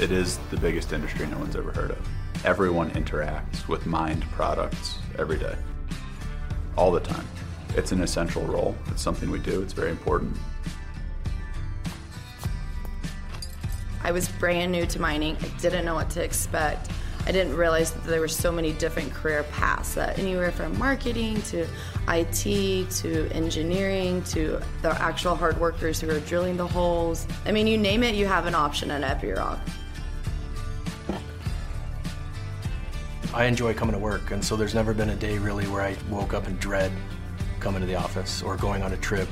It is the biggest industry no one's ever heard of. Everyone interacts with mined products every day, all the time. It's an essential role. It's something we do. It's very important. I was brand new to mining. I didn't know what to expect. I didn't realize that there were so many different career paths, that anywhere from marketing, to IT, to engineering, to the actual hard workers who are drilling the holes. I mean, you name it, you have an option at Epiroc. I enjoy coming to work, and so there's never been a day, really, where I woke up in dread coming to the office or going on a trip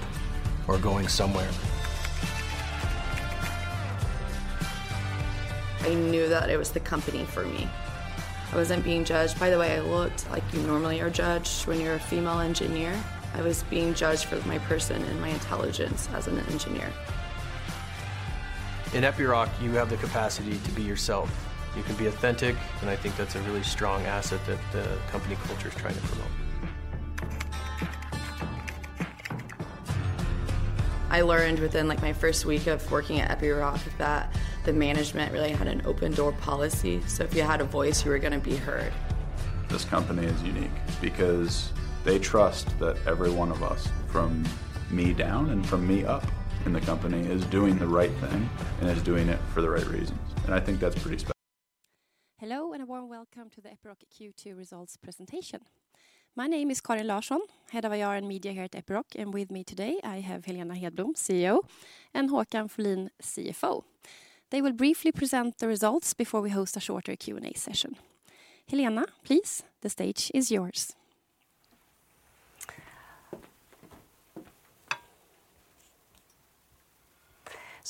or going somewhere. I knew that it was the company for me. I wasn't being judged by the way I looked, like you normally are judged when you're a female engineer. I was being judged for my person and my intelligence as an engineer. In Epiroc, you have the capacity to be yourself. You can be authentic. I think that's a really strong asset that the company culture is trying to promote. I learned within, like, my first week of working at Epiroc that the management really had an open door policy, so if you had a voice, you were gonna be heard. This company is unique because they trust that every one of us, from me down and from me up in the company, is doing the right thing and is doing it for the right reasons. I think that's pretty special. Hello, and a warm welcome to the Epiroc Q2 results presentation. My name is Karin Larsson, Head of IR and Media here at Epiroc, and with me today, I have Helena Hedblom, CEO, and Håkan Folin, CFO. They will briefly present the results before we host a shorter Q&A session. Helena, please, the stage is yours.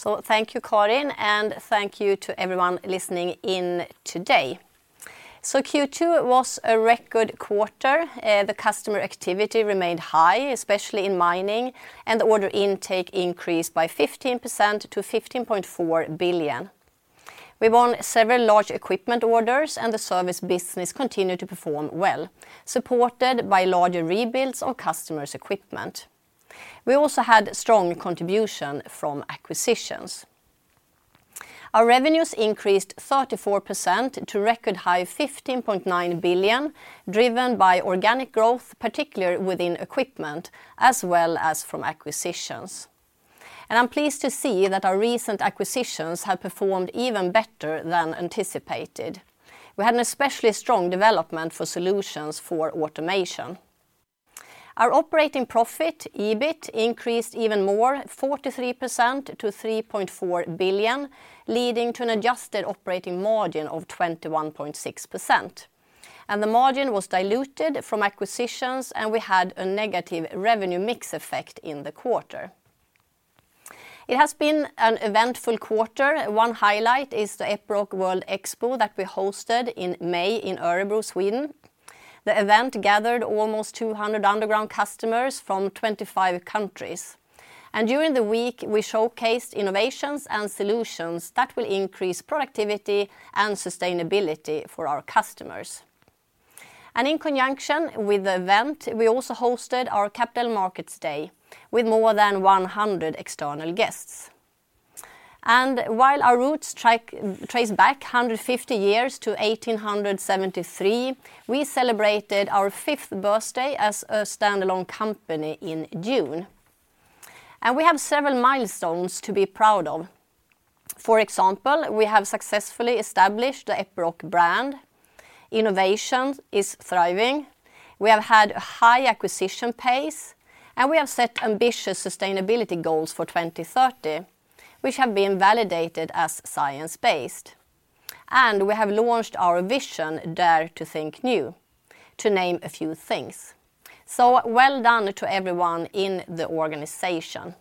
Thank you, Karin, and thank you to everyone listening in today. Q2 was a record quarter. The customer activity remained high, especially in mining, and the order intake increased by 15% to 15.4 billion. We won several large equipment orders, and the service business continued to perform well, supported by larger rebuilds of customers' equipment. We also had strong contribution from acquisitions. Our revenues increased 34% to record high 15.9 billion, driven by organic growth, particularly within equipment, as well as from acquisitions. I'm pleased to see that our recent acquisitions have performed even better than anticipated. We had an especially strong development for solutions for automation. Our operating profit, EBIT, increased even more, 43% to 3.4 billion, leading to an adjusted operating margin of 21.6%. The margin was diluted from acquisitions, and we had a negative revenue mix effect in the quarter. It has been an eventful quarter. One highlight is the Epiroc World Expo that we hosted in May in Örebro, Sweden. The event gathered almost 200 underground customers from 25 countries. During the week, we showcased innovations and solutions that will increase productivity and sustainability for our customers. In conjunction with the event, we also hosted our Capital Markets Day with more than 100 external guests. While our roots trace back 150 years to 1873, we celebrated our fifth birthday as a standalone company in June, and we have several milestones to be proud of. For example, we have successfully established the Epiroc brand. Innovation is thriving. We have had a high acquisition pace. We have set ambitious sustainability goals for 2030, which have been validated as science-based. We have launched our vision, Dare to think new, to name a few things. Well done to everyone in the organization.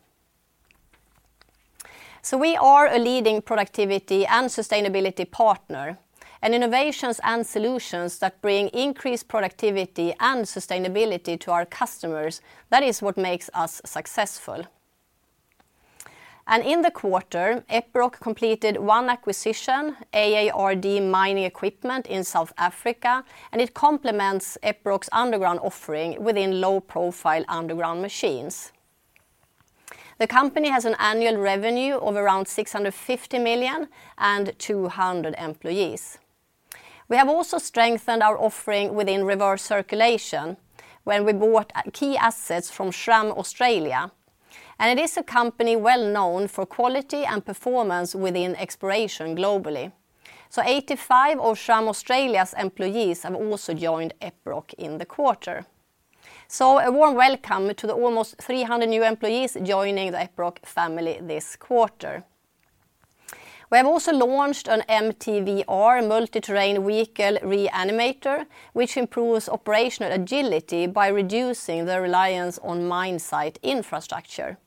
We are a leading productivity and sustainability partner. Innovations and solutions that bring increased productivity and sustainability to our customers, that is what makes us successful. In the quarter, Epiroc completed 1 acquisition, AARD Mining Equipment in South Africa. It complements Epiroc's underground offering within low-profile underground machines. The company has an annual revenue of around 650 million and 200 employees. We have also strengthened our offering within reverse circulation when we bought key assets from Schramm Australia, and it is a company well known for quality and performance within exploration globally. 85 of Schramm Australia's employees have also joined Epiroc in the quarter. A warm welcome to the almost 300 new employees joining the Epiroc family this quarter. We have also launched an MTVR, Multi-Terrain Vehicle Reanimator, which improves operational agility by reducing the reliance on mine site infrastructure.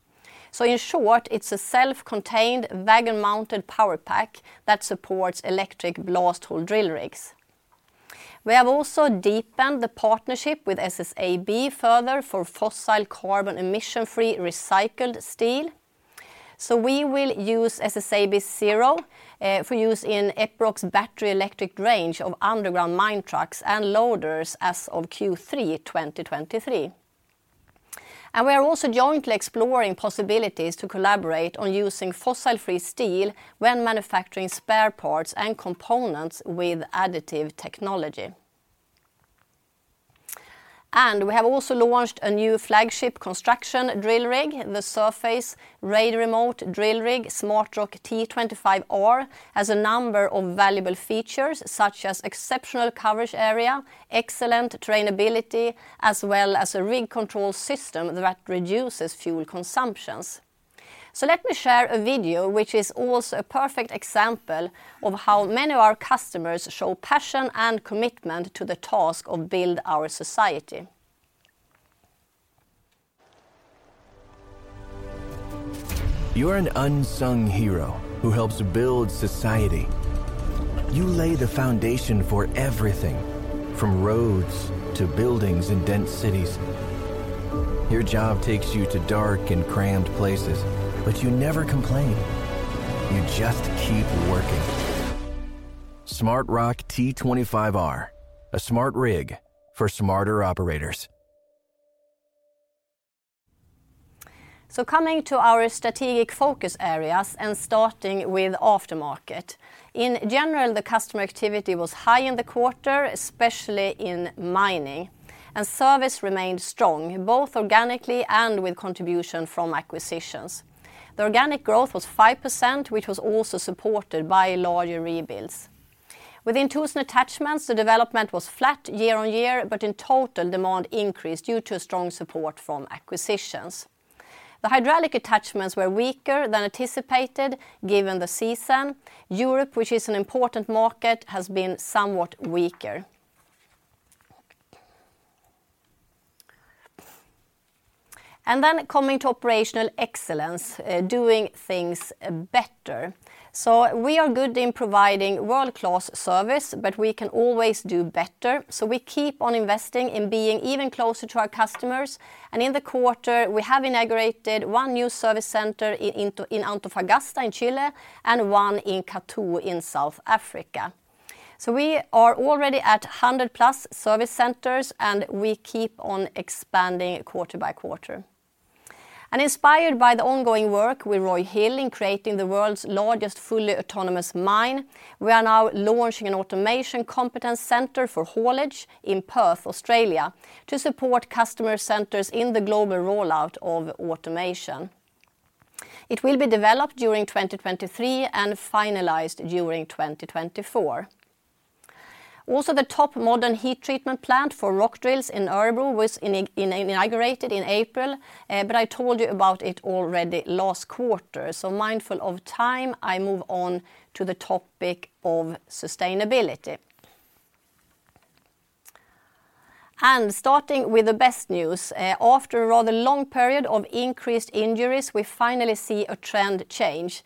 In short, it's a self-contained wagon-mounted power pack that supports electric blast hole drill rigs. We have also deepened the partnership with SSAB further for fossil carbon emission-free recycled steel. We will use SSAB Zero for use in Epiroc's battery electric range of underground mine trucks and loaders as of Q3 2023. We are also jointly exploring possibilities to collaborate on using fossil-free steel when manufacturing spare parts and components with additive technology. We have also launched a new flagship construction drill rig, the surface radio remote drill rig, SmartROC T25 R, has a number of valuable features, such as exceptional coverage area, excellent trainability, as well as a rig control system that reduces fuel consumptions. Let me share a video, which is also a perfect example of how many of our customers show passion and commitment to the task of build our society. You are an unsung hero who helps build society. You lay the foundation for everything, from roads to buildings in dense cities. Your job takes you to dark and crammed places, but you never complain. You just keep working. SmartROC T25 R, a smart rig for smarter operators. Coming to our strategic focus areas and starting with aftermarket. In general, the customer activity was high in the quarter, especially in mining, and service remained strong, both organically and with contribution from acquisitions. The organic growth was 5%, which was also supported by larger rebuilds. Within tools and attachments, the development was flat year-on-year, but in total, demand increased due to strong support from acquisitions. The hydraulic attachments were weaker than anticipated, given the season. Europe, which is an important market, has been somewhat weaker. Coming to operational excellence, doing things better. We are good in providing world-class service, but we can always do better, so we keep on investing in being even closer to our customers, and in the quarter, we have inaugurated one new service center in Antofagasta in Chile, and one in Kathu in South Africa. We are already at 100-plus service centers, and we keep on expanding quarter by quarter. Inspired by the ongoing work with Roy Hill in creating the world's largest, fully autonomous mine, we are now launching an automation competence center for haulage in Perth, Australia, to support customer centers in the global rollout of automation. It will be developed during 2023 and finalized during 2024. The top modern heat treatment plant for rock drills in Örebro was inaugurated in April, but I told you about it already last quarter. Mindful of time, I move on to the topic of sustainability. Starting with the best news, after a rather long period of increased injuries, we finally see a trend change.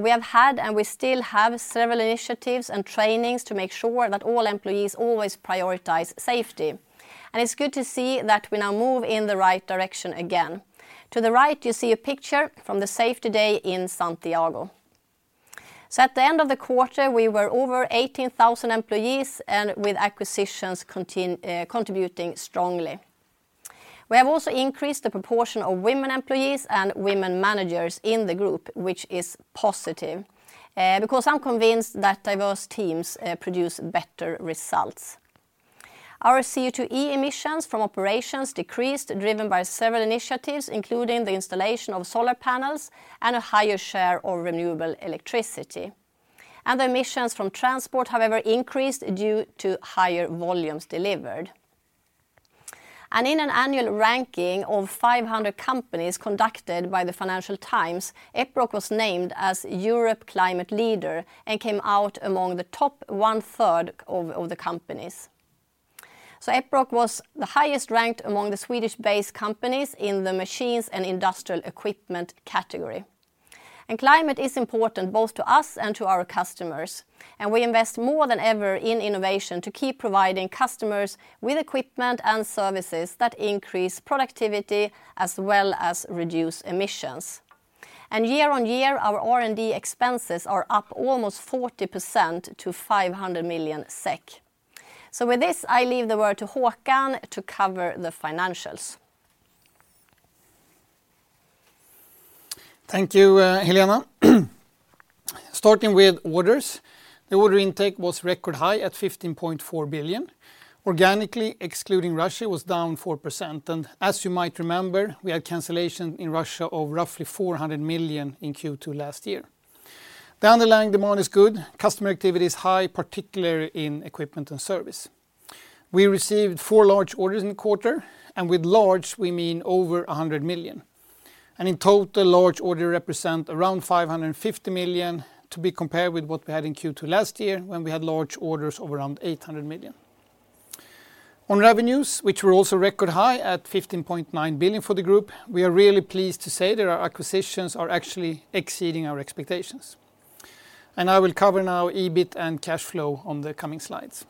We have had, and we still have, several initiatives and trainings to make sure that all employees always prioritize safety. It's good to see that we now move in the right direction again. To the right, you see a picture from the safety day in Santiago. At the end of the quarter, we were over 18,000 employees, with acquisitions contributing strongly. We have also increased the proportion of women employees and women managers in the group, which is positive, because I'm convinced that diverse teams produce better results. Our CO2e emissions from operations decreased, driven by several initiatives, including the installation of solar panels and a higher share of renewable electricity. The emissions from transport, however, increased due to higher volumes delivered. In an annual ranking of 500 companies conducted by the Financial Times, Epiroc was named as Europe Climate Leader and came out among the top one-third of the companies. Epiroc was the highest ranked among the Swedish-based companies in the machines and industrial equipment category. Climate is important both to us and to our customers, and we invest more than ever in innovation to keep providing customers with equipment and services that increase productivity, as well as reduce emissions. Year-on-year, our R&D expenses are up almost 40% to 500 million SEK. With this, I leave the word to Håkan to cover the financials. Thank you, Helena. Starting with orders. The order intake was record high at 15.4 billion. Organically, excluding Russia, was down 4%. As you might remember, we had cancellation in Russia of roughly 400 million in Q2 last year. The underlying demand is good. Customer activity is high, particularly in equipment and service. We received four large orders in the quarter. With large, we mean over 100 million. In total, large order represent around 550 million, to be compared with what we had in Q2 last year, when we had large orders of around 800 million. On revenues, which were also record high at 15.9 billion for the group, we are really pleased to say that our acquisitions are actually exceeding our expectations. I will cover now EBIT and cash flow on the coming slides.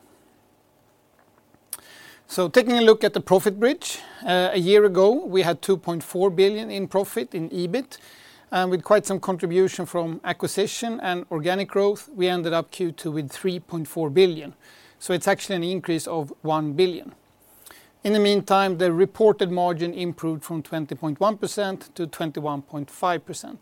Taking a look at the profit bridge, a year ago, we had 2.4 billion in profit in EBIT, and with quite some contribution from acquisition and organic growth, we ended up Q2 with 3.4 billion, so it's actually an increase of 1 billion. In the meantime, the reported margin improved from 20.1% to 21.5%.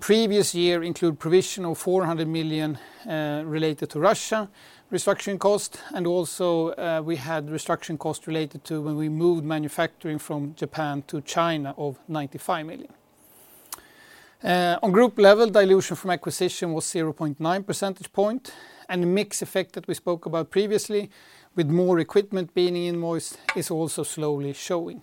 Previous year include provision of 400 million related to Russia restructuring cost, and also, we had restructuring costs related to when we moved manufacturing from Japan to China of 95 million. On group level, dilution from acquisition was 0.9 percentage point, and the mix effect that we spoke about previously, with more equipment being invoiced, is also slowly showing.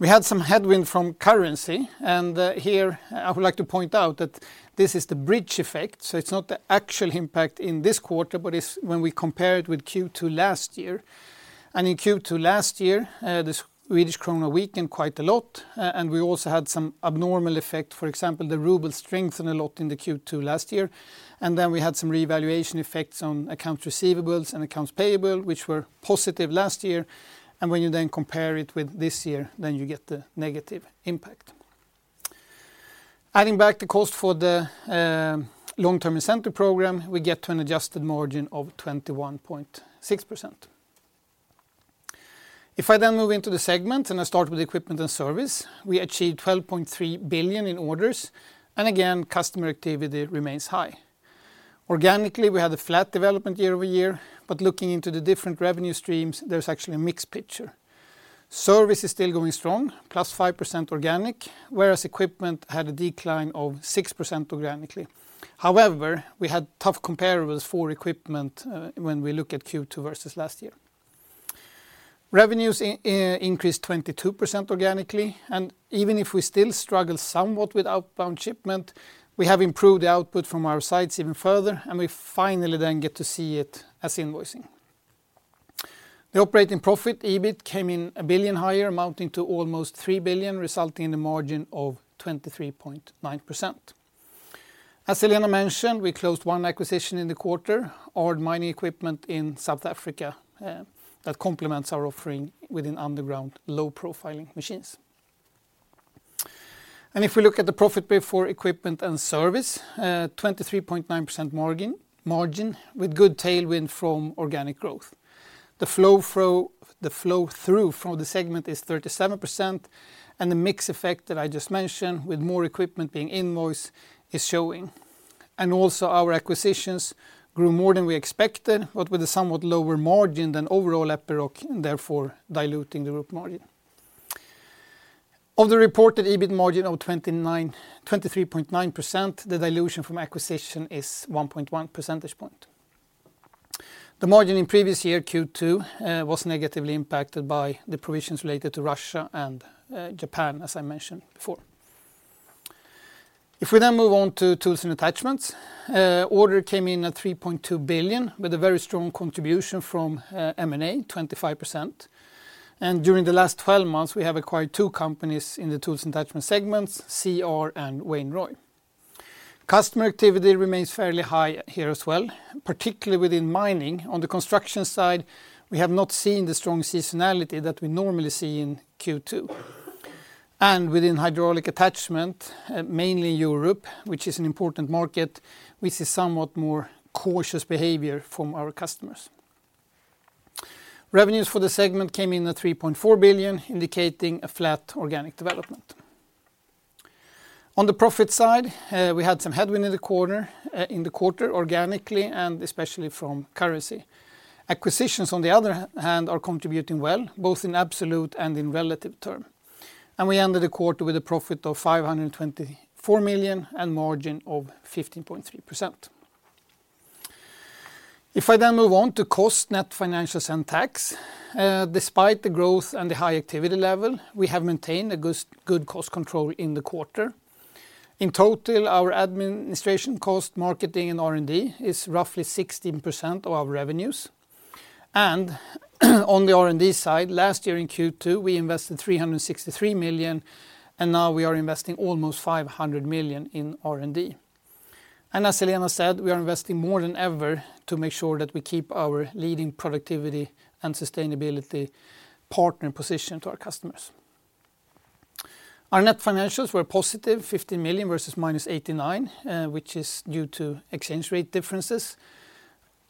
We had some headwind from currency, and here, I would like to point out that this is the bridge effect, so it's not the actual impact in this quarter, but it's when we compare it with Q2 last year. In Q2 last year, the Swedish Krona weakened quite a lot, and we also had some abnormal effect. For example, the ruble strengthened a lot in the Q2 last year, then we had some revaluation effects on accounts receivables and accounts payable, which were positive last year, and when you then compare it with this year, then you get the negative impact. Adding back the cost for the long-term incentive program, we get to an adjusted margin of 21.6%. I then move into the segment, and I start with equipment and service, we achieved 12.3 billion in orders, and again, customer activity remains high. Organically, we had a flat development year-over-year, but looking into the different revenue streams, there's actually a mixed picture. Service is still going strong, plus 5% organic, whereas equipment had a decline of 6% organically. We had tough comparables for equipment when we look at Q2 versus last year. Revenues increased 22% organically. Even if we still struggle somewhat with outbound shipment, we have improved the output from our sites even further, and we finally then get to see it as invoicing. The operating profit, EBIT, came in 1 billion higher, amounting to almost 3 billion, resulting in a margin of 23.9%. As Helena mentioned, we closed 1 acquisition in the quarter, AARD Mining Equipment in South Africa, that complements our offering within underground low-profiling machines. If we look at the profit before equipment and service, 23.9% margin, with good tailwind from organic growth. The flow through from the segment is 37%, the mix effect that I just mentioned, with more equipment being invoiced, is showing. Also, our acquisitions grew more than we expected, but with a somewhat lower margin than overall Epiroc, therefore diluting the group margin. Of the reported EBIT margin of 23.9%, the dilution from acquisition is 1.1 percentage point. The margin in previous year, Q2, was negatively impacted by the provisions related to Russia and Japan, as I mentioned before. We then move on to tools and attachments, order came in at 3.2 billion, with a very strong contribution from M&A, 25%. During the last 12 months, we have acquired two companies in the tools and attachment segments, CR and Wain-Roy. Customer activity remains fairly high here as well, particularly within mining. On the construction side, we have not seen the strong seasonality that we normally see in Q2. Within hydraulic attachment, mainly Europe, which is an important market, we see somewhat more cautious behavior from our customers. Revenues for the segment came in at 3.4 billion, indicating a flat organic development. On the profit side, we had some headwind in the quarter, organically, and especially from currency. Acquisitions, on the other hand, are contributing well, both in absolute and in relative term. We ended the quarter with a profit of 524 million and margin of 15.3%. If I then move on to cost net financials and tax, despite the growth and the high activity level, we have maintained a good cost control in the quarter. In total, our administration cost, marketing, and R&D is roughly 16% of our revenues. On the R&D side, last year in Q2, we invested 363 million, and now we are investing almost 500 million in R&D. As Helena said, we are investing more than ever to make sure that we keep our leading productivity and sustainability partner position to our customers. Our net financials were positive, 50 million versus minus 89 million, which is due to exchange rate differences.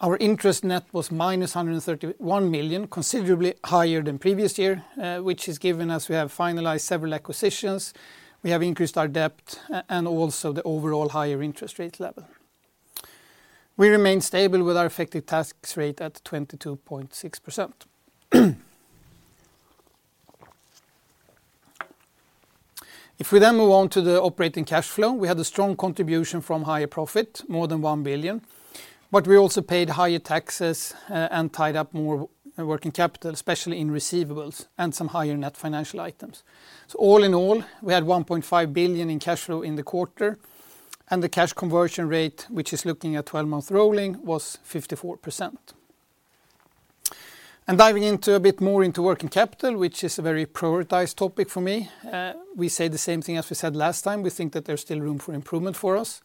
Our interest net was minus 131 million, considerably higher than previous year, which is given as we have finalized several acquisitions, we have increased our debt, and also the overall higher interest rate level. We remain stable with our effective tax rate at 22.6%. If we then move on to the operating cash flow, we had a strong contribution from higher profit, more than 1 billion, but we also paid higher taxes, and tied up more working capital, especially in receivables and some higher net financial items. All in all, we had 1.5 billion in cash flow in the quarter, and the cash conversion rate, which is looking at 12-month rolling, was 54%. Diving into a bit more into working capital, which is a very prioritized topic for me, we say the same thing as we said last time. We think that there's still room for improvement for us.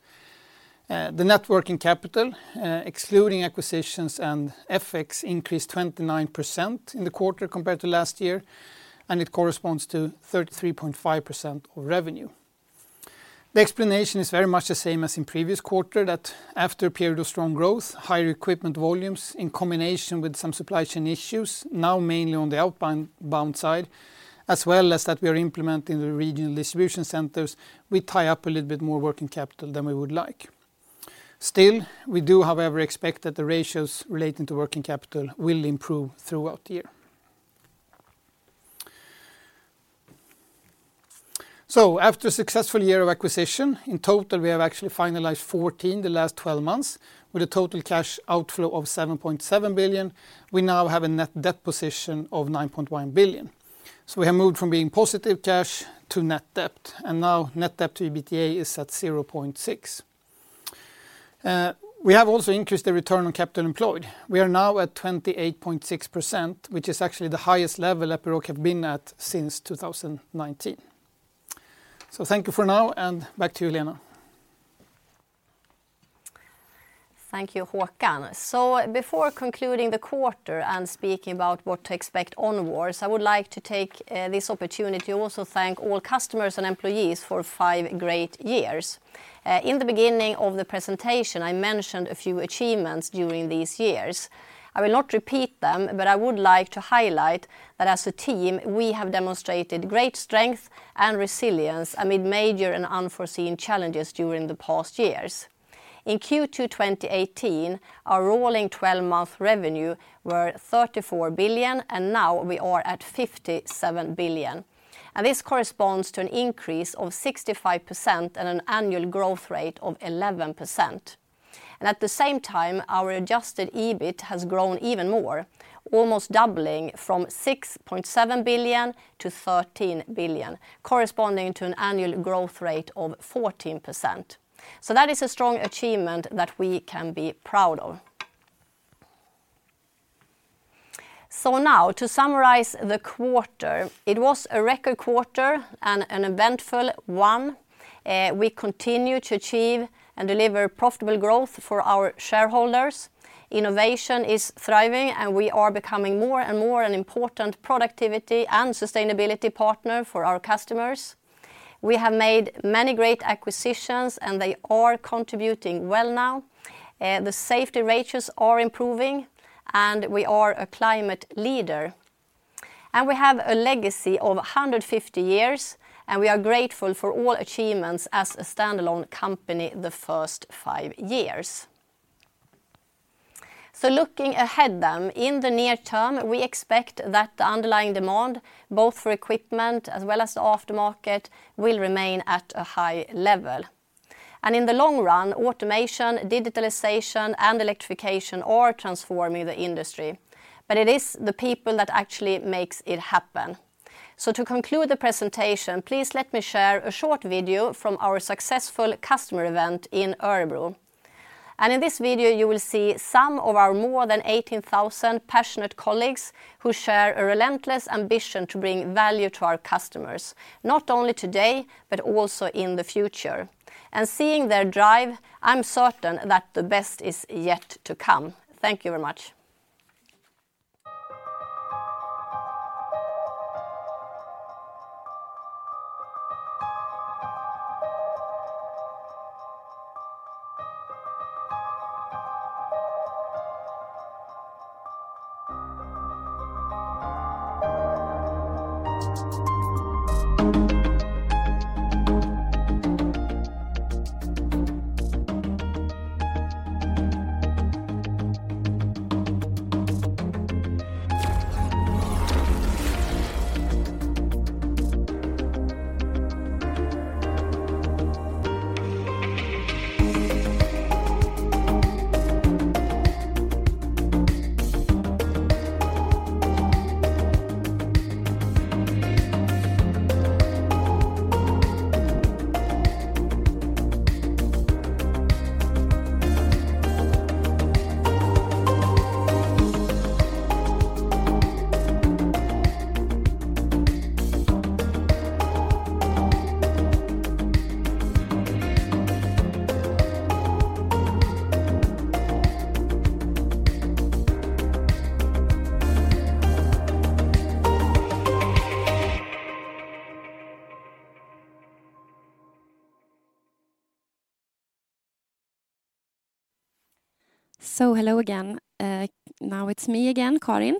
The net working capital, excluding acquisitions and FX, increased 29% in the quarter compared to last year, and it corresponds to 33.5% of revenue. The explanation is very much the same as in previous quarter, that after a period of strong growth, higher equipment volumes in combination with some supply chain issues, now mainly on the outbound side, as well as that we are implementing the regional distribution centers, we tie up a little bit more working capital than we would like. Still, we do, however, expect that the ratios relating to working capital will improve throughout the year. After a successful year of acquisition, in total, we have actually finalized 14 the last 12 months, with a total cash outflow of 7.7 billion. We now have a net debt position of 9.1 billion. We have moved from being positive cash to net debt, and now net debt to EBITDA is at 0.6. We have also increased the return on capital employed. We are now at 28.6%, which is actually the highest level Epiroc have been at since 2019. Thank you for now, and back to you, Helena. Thank you, Håkan. Before concluding the quarter and speaking about what to expect onwards, I would like to take this opportunity to also thank all customers and employees for five great years. In the beginning of the presentation, I mentioned a few achievements during these years. I will not repeat them, but I would like to highlight that as a team, we have demonstrated great strength and resilience amid major and unforeseen challenges during the past years. In Q2 2018, our rolling 12-month revenue were 34 billion, and now we are at 57 billion. This corresponds to an increase of 65% and an annual growth rate of 11%. At the same time, our adjusted EBIT has grown even more, almost doubling from 6.7 billion to 13 billion, corresponding to an annual growth rate of 14%. That is a strong achievement that we can be proud of. Now, to summarize the quarter, it was a record quarter and an eventful one. We continue to achieve and deliver profitable growth for our shareholders. Innovation is thriving, and we are becoming more and more an important productivity and sustainability partner for our customers. We have made many great acquisitions, and they are contributing well now. The safety ratios are improving, and we are a climate leader. We have a legacy of 150 years, and we are grateful for all achievements as a standalone company the first five years. Looking ahead then, in the near term, we expect that the underlying demand, both for equipment as well as the aftermarket, will remain at a high level. In the long run, automation, digitalization, and electrification are transforming the industry, but it is the people that actually makes it happen. To conclude the presentation, please let me share a short video from our successful customer event in Örebro. In this video, you will see some of our more than 18,000 passionate colleagues who share a relentless ambition to bring value to our customers, not only today, but also in the future. Seeing their drive, I'm certain that the best is yet to come. Thank you very much. Hello again. Now it's me again, Karin.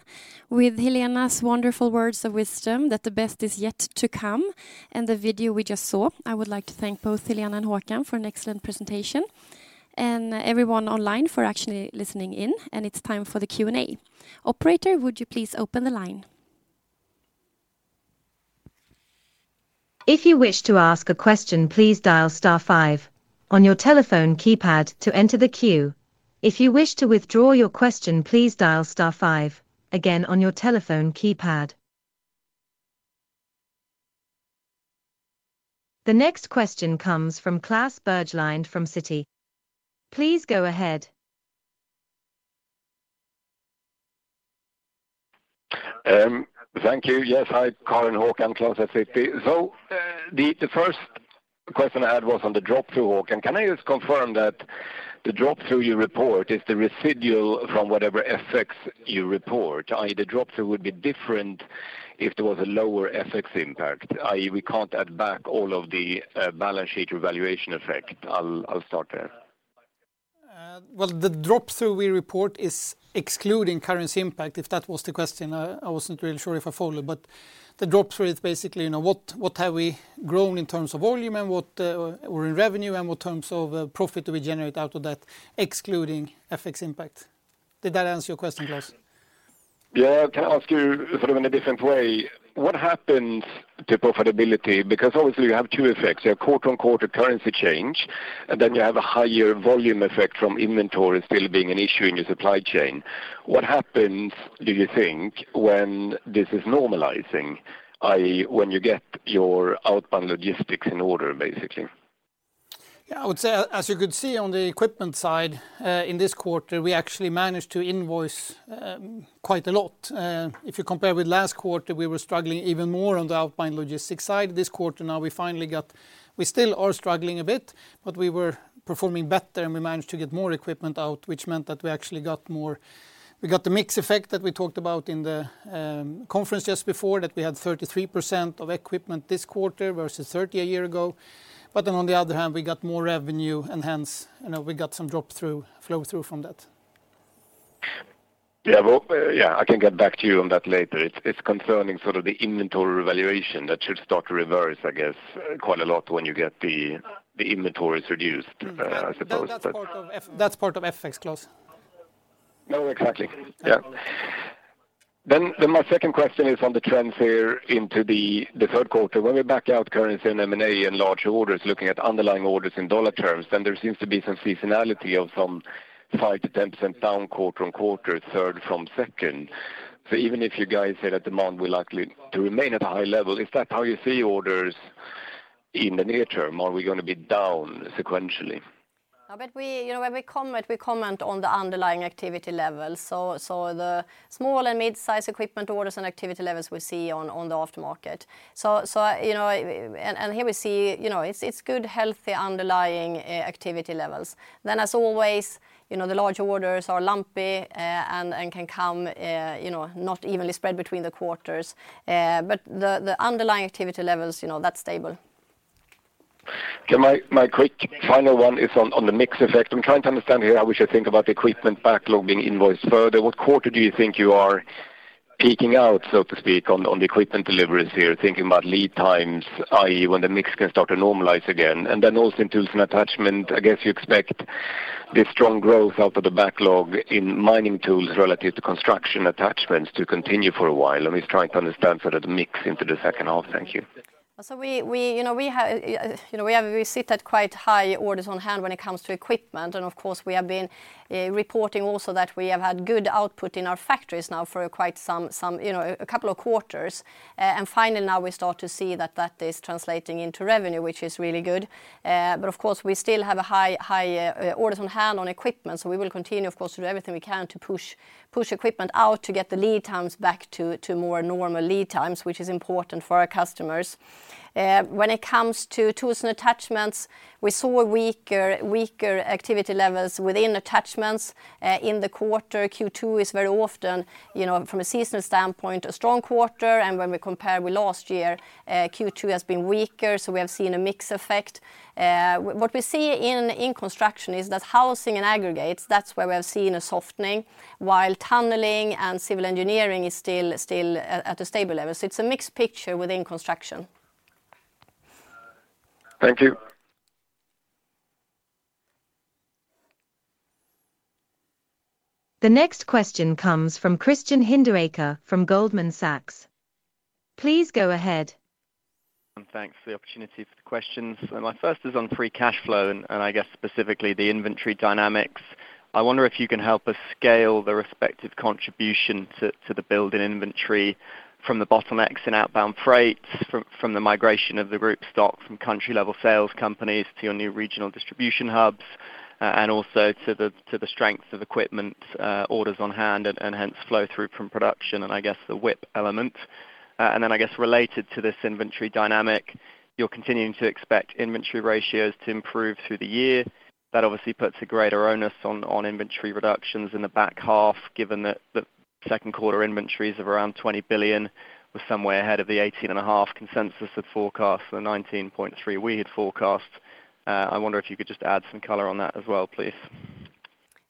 With Helena's wonderful words of wisdom, that the best is yet to come, and the video we just saw, I would like to thank both Helena and Håkan for an excellent presentation, and everyone online for actually listening in, and it's time for the Q&A. Operator, would you please open the line? If you wish to ask a question, please dial star five on your telephone keypad to enter the queue. If you wish to withdraw your question, please dial star five again on your telephone keypad. The next question comes from Klas Bergelind from Citi. Please go ahead. Thank you. Yes, hi, Karin, Håkan, Klas Bergelind at Citi. So, the first question I had was on the drop to Håkan Folin. Can I just confirm that the drop through your report is the residual from whatever effects you report. I.e., the drop through would be different if there was a lower FX impact, i.e., we can't add back all of the balance sheet revaluation effect. I'll start there. Well, the drop-through we report is excluding currency impact, if that was the question. I wasn't really sure if I followed. The drop-through is basically, you know, what have we grown in terms of volume or in revenue, and what terms of profit do we generate out of that, excluding FX impact. Did that answer your question, Klas? Yeah. Can I ask you sort of in a different way? What happens to profitability? Obviously, you have two effects. You have quarter-on-quarter currency change, and then you have a higher volume effect from inventory still being an issue in your supply chain. What happens, do you think, when this is normalizing, i.e., when you get your outbound logistics in order, basically? I would say, as you could see on the equipment side, in this quarter, we actually managed to invoice quite a lot. If you compare with last quarter, we were struggling even more on the outbound logistics side. This quarter, we still are struggling a bit, but we were performing better, and we managed to get more equipment out, which meant that we actually got more. We got the mix effect that we talked about in the conference just before, that we had 33% of equipment this quarter versus 30% a year ago. On the other hand, we got more revenue, and hence, you know, we got some drop-through, flow-through from that. Yeah. Well, yeah, I can get back to you on that later. It's concerning sort of the inventory revaluation that should start to reverse, I guess, quite a lot when you get the inventories reduced, I suppose. That's part of that's part of FX, Klas. No, exactly. Yeah. My second question is on the trends here into the third quarter. When we back out currency and M&A and larger orders, looking at underlying orders in dollar terms, there seems to be some seasonality of some 5%-10% down quarter-over-quarter, third from second. Even if you guys say that demand will likely to remain at a high level, is that how you see orders in the near term? Are we gonna be down sequentially? We, you know, when we comment, we comment on the underlying activity levels. The small and mid-size equipment orders and activity levels we see on the aftermarket. You know, and here we see, you know, it's good, healthy, underlying activity levels. As always, you know, the large orders are lumpy, and can come, you know, not evenly spread between the quarters. The underlying activity levels, you know, that's stable. My quick final one is on the mix effect. I'm trying to understand here how we should think about the equipment backlog being invoiced further. What quarter do you think you are peaking out, so to speak, on the equipment deliveries here? Thinking about lead times, i.e., when the mix can start to normalize again. Also in tools and attachment, I guess you expect this strong growth out of the backlog in mining tools relative to construction attachments to continue for a while. I'm just trying to understand sort of the mix into the second half. Thank you. We, you know, we have, you know, we sit at quite high orders on hand when it comes to equipment. Of course, we have been reporting also that we have had good output in our factories now for quite some, you know, a couple of quarters. Finally, now we start to see that that is translating into revenue, which is really good. Of course, we still have a high orders on hand on equipment. We will continue, of course, to do everything we can to push equipment out to get the lead times back to more normal lead times, which is important for our customers. When it comes to tools and attachments, we saw weaker activity levels within attachments in the quarter. Q2 is very often, you know, from a seasonal standpoint, a strong quarter. When we compare with last year, Q2 has been weaker, so we have seen a mix effect. What we see in construction is that housing and aggregates, that's where we have seen a softening, while tunneling and civil engineering is still at a stable level. It's a mixed picture within construction. Thank you. The next question comes from Christian Hinderaker from Goldman Sachs. Please go ahead. Thanks for the opportunity for the questions. My first is on free cash flow, and I guess specifically the inventory dynamics. I wonder if you can help us scale the respective contribution to the build in inventory from the bottlenecks in outbound freights, from the migration of the group stock from country-level sales companies to your new regional distribution hubs, and also to the strength of equipment orders on hand and hence flow-through from production, and I guess the WIP element. Then I guess related to this inventory dynamic, you're continuing to expect inventory ratios to improve through the year. That obviously puts a greater onus on inventory reductions in the back half, given that the second quarter inventories of around 20 billion was somewhere ahead of the 18.5 billion consensus of forecast, the 19.3 billion we had forecast. I wonder if you could just add some color on that as well, please.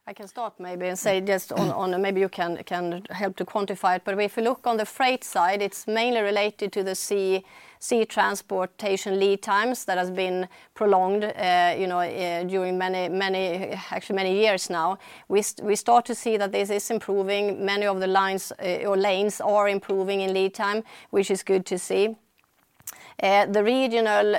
I can start maybe and say just on. Maybe you can help to quantify it. If you look on the freight side, it's mainly related to the sea transportation lead times that has been prolonged, you know, during many, actually many years now. We start to see that this is improving. Many of the lines or lanes are improving in lead time, which is good to see. The regional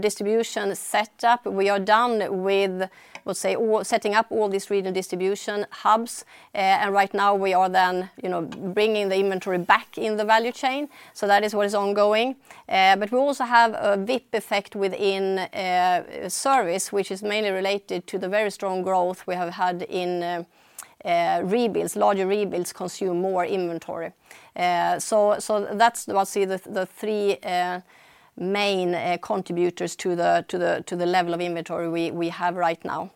distribution setup, we are done with, let's say, setting up all these regional distribution hubs. Right now we are then, you know, bringing the inventory back in the value chain. That is what is ongoing. We also have a WIP effect within service, which is mainly related to the very strong growth we have had in rebuilds. Larger rebuilds consume more inventory. That's, let's see, the three main contributors to the level of inventory we have right now.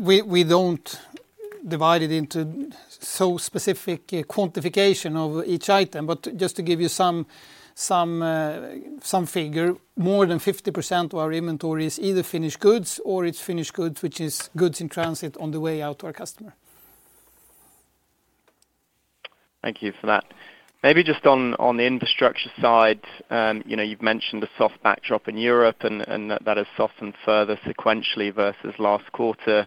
We don't divide it into so specific quantification of each item, but just to give you some, some figure, more than 50% of our inventory is either finished goods or it's finished goods, which is goods in transit on the way out to our customer. Thank you for that. Maybe just on the infrastructure side, you know, you've mentioned the soft backdrop in Europe, and that has softened further sequentially versus last quarter.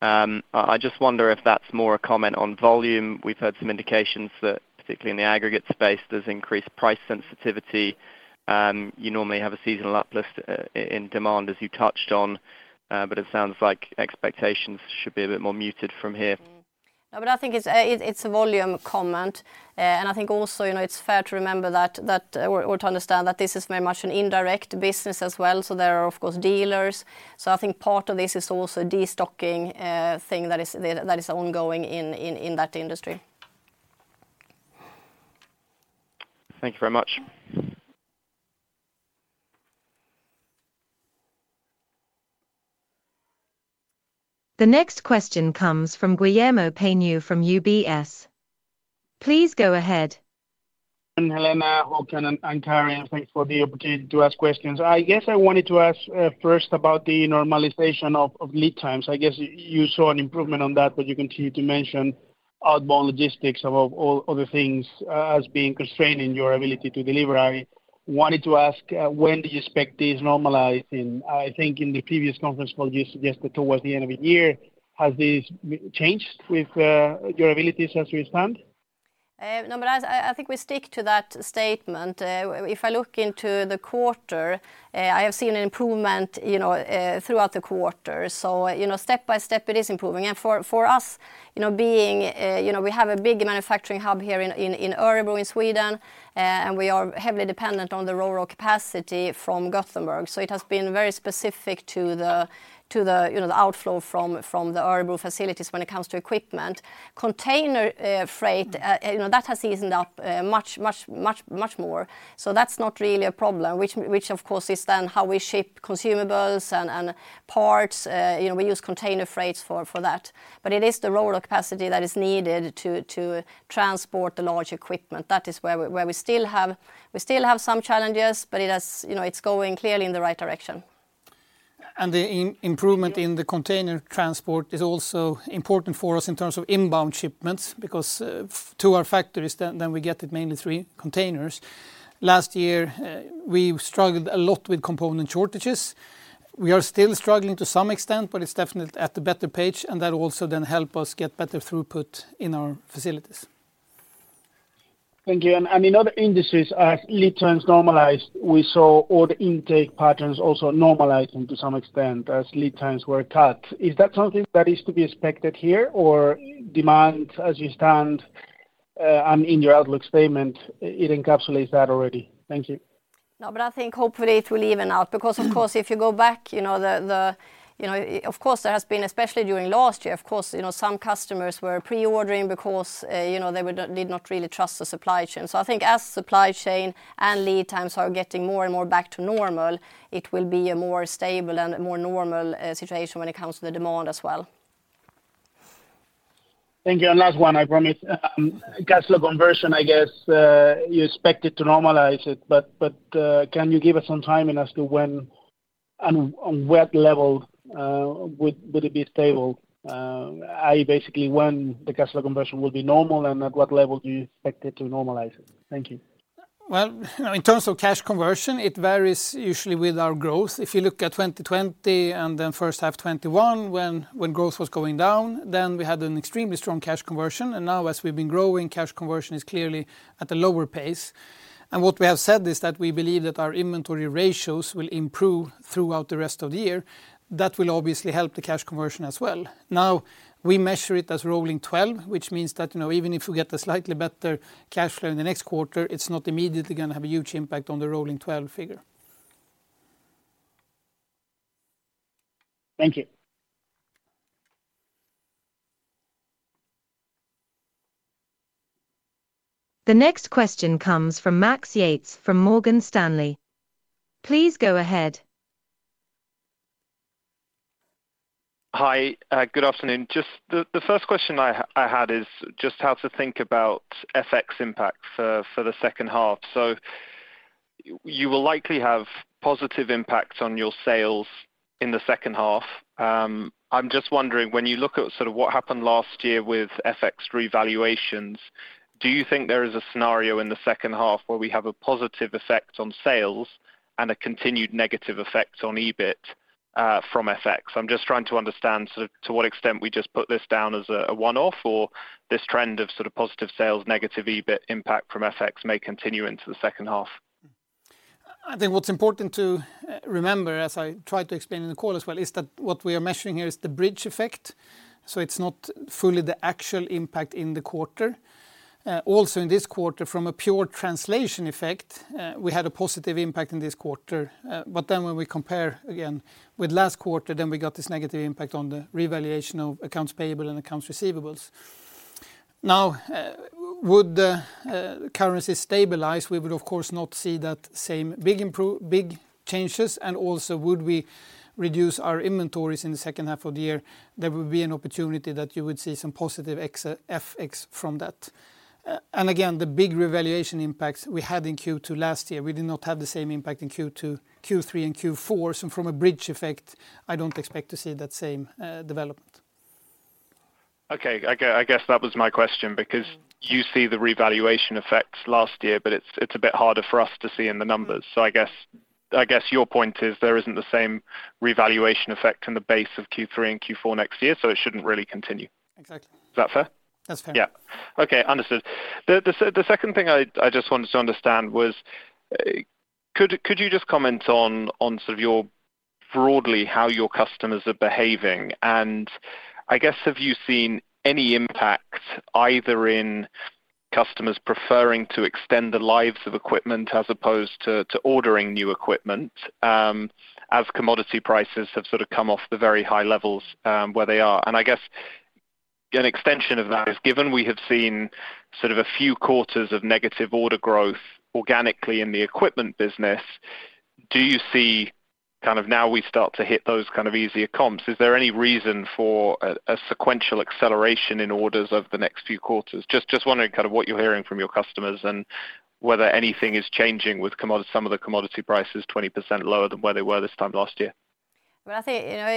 I just wonder if that's more a comment on volume. We've had some indications that, particularly in the aggregate space, there's increased price sensitivity. You normally have a seasonal uplift in demand, as you touched on, but it sounds like expectations should be a bit more muted from here. I think it's a volume comment. I think also, you know, it's fair to remember that, or to understand that this is very much an indirect business as well. There are, of course, dealers. I think part of this is also destocking, thing that is ongoing in that industry. Thank you very much. The next question comes from Guillermo Peigneux from UBS. Please go ahead. Helena, Hakan, and Karin, thanks for the opportunity to ask questions. I guess I wanted to ask first about the normalization of lead times. I guess you saw an improvement on that, but you continue to mention outbound logistics, above all other things, as being constrained in your ability to deliver. I wanted to ask when do you expect this normalizing? I think in the previous conference call, you suggested towards the end of the year. Has this changed with your abilities as you stand? No, I think we stick to that statement. If I look into the quarter, I have seen an improvement, you know, throughout the quarter. You know, step by step it is improving. For us, you know, being. You know, we have a big manufacturing hub here in Örebro, in Sweden, and we are heavily dependent on the rail capacity from Gothenburg. It has been very specific to the, you know, the outflow from the Örebro facilities when it comes to equipment. Container freight, you know, that has seasoned up much, much, much, much, more, so that's not really a problem, which, of course, is then how we ship consumables and parts. You know, we use container freights for that. It is the rail capacity that is needed to transport the large equipment. That is where we still have some challenges. It has, you know, it's going clearly in the right direction. The improvement in the container transport is also important for us in terms of inbound shipments, because to our factories, we get it mainly through containers. Last year, we struggled a lot with component shortages. We are still struggling to some extent, but it's definitely at a better pace, and that also then help us get better throughput in our facilities. Thank you. In other industries, as lead times normalized, we saw all the intake patterns also normalizing to some extent, as lead times were cut. Is that something that is to be expected here, or demand as you stand, and in your outlook statement, it encapsulates that already? Thank you. I think hopefully it will even out, because, of course, if you go back, you know, the, you know, of course, there has been, especially during last year, of course, you know, some customers were pre-ordering because, you know, they did not really trust the supply chain. I think as supply chain and lead times are getting more and more back to normal, it will be a more stable and more normal situation when it comes to the demand as well. Thank you. Last one, I promise. Cash flow conversion, I guess, you expect it to normalize it, but can you give us some timing as to when and on what level would it be stable? I.e., basically, when the cash flow conversion will be normal, and at what level do you expect it to normalize? Thank you. Well, in terms of cash conversion, it varies usually with our growth. If you look at 2020, and then first half 2021, when growth was going down, then we had an extremely strong cash conversion. Now, as we've been growing, cash conversion is clearly at a lower pace. What we have said is that we believe that our inventory ratios will improve throughout the rest of the year. That will obviously help the cash conversion as well. Now, we measure it as rolling twelve, which means that, you know, even if we get a slightly better cash flow in the next quarter, it's not immediately going to have a huge impact on the rolling twelve figure. Thank you. The next question comes from Max Yates, from Morgan Stanley. Please go ahead. Hi, good afternoon. Just the first question I had is just how to think about FX impact for the second half. You will likely have positive impacts on your sales in the second half. I'm just wondering, when you look at sort of what happened last year with FX revaluations, do you think there is a scenario in the second half where we have a positive effect on sales and a continued negative effect on EBIT, from FX? I'm just trying to understand sort of to what extent we just put this down as a one-off, or this trend of sort of positive sales, negative EBIT impact from FX may continue into the second half. I think what's important to remember, as I tried to explain in the call as well, is that what we are measuring here is the bridge effect, so it's not fully the actual impact in the quarter. Also, in this quarter, from a pure translation effect, we had a positive impact in this quarter. When we compare again with last quarter, we got this negative impact on the revaluation of accounts payable and accounts receivables. Now, would the currency stabilize? We would of course not see that same big changes. Also, would we reduce our inventories in the second half of the year, there would be an opportunity that you would see some positive FX from that. Again, the big revaluation impacts we had in Q2 last year, we did not have the same impact in Q2, Q3, and Q4. From a bridge effect, I don't expect to see that same development. Okay. I guess that was my question, because you see the revaluation effects last year, but it's a bit harder for us to see in the numbers. I guess your point is there isn't the same revaluation effect in the base of Q3 and Q4 next year, so it shouldn't really continue. Exactly. Is that fair? That's fair. Yeah. Okay, understood. The second thing I just wanted to understand was, could you just comment on sort of your broadly, how your customers are behaving? I guess, have you seen any impact, either in customers preferring to extend the lives of equipment as opposed to ordering new equipment, as commodity prices have sort of come off the very high levels, where they are? I guess an extension of that is, given we have seen sort of a few quarters of negative order growth organically in the equipment business, do you see, kind of now we start to hit those kind of easier comps? Is there any reason for a sequential acceleration in orders over the next few quarters? Just wondering kind of what you're hearing from your customers, whether anything is changing with some of the commodity prices 20% lower than where they were this time last year. I think, you know,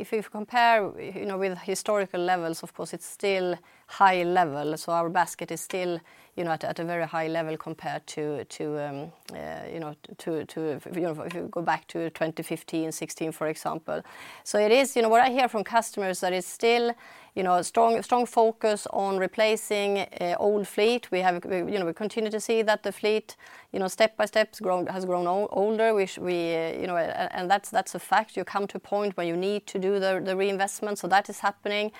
if you compare, you know, with historical levels, of course, it's still high level. Our basket is still, you know, at a very high level compared to, you know, to, if, you know, if you go back to 2015, 2016, for example. It is, you know, what I hear from customers, that it's still, you know, a strong focus on replacing old fleet. We, you know, we continue to see that the fleet, you know, step by step, has grown older, which we, you know. And that's a fact. You come to a point where you need to do the reinvestment, so that is happening.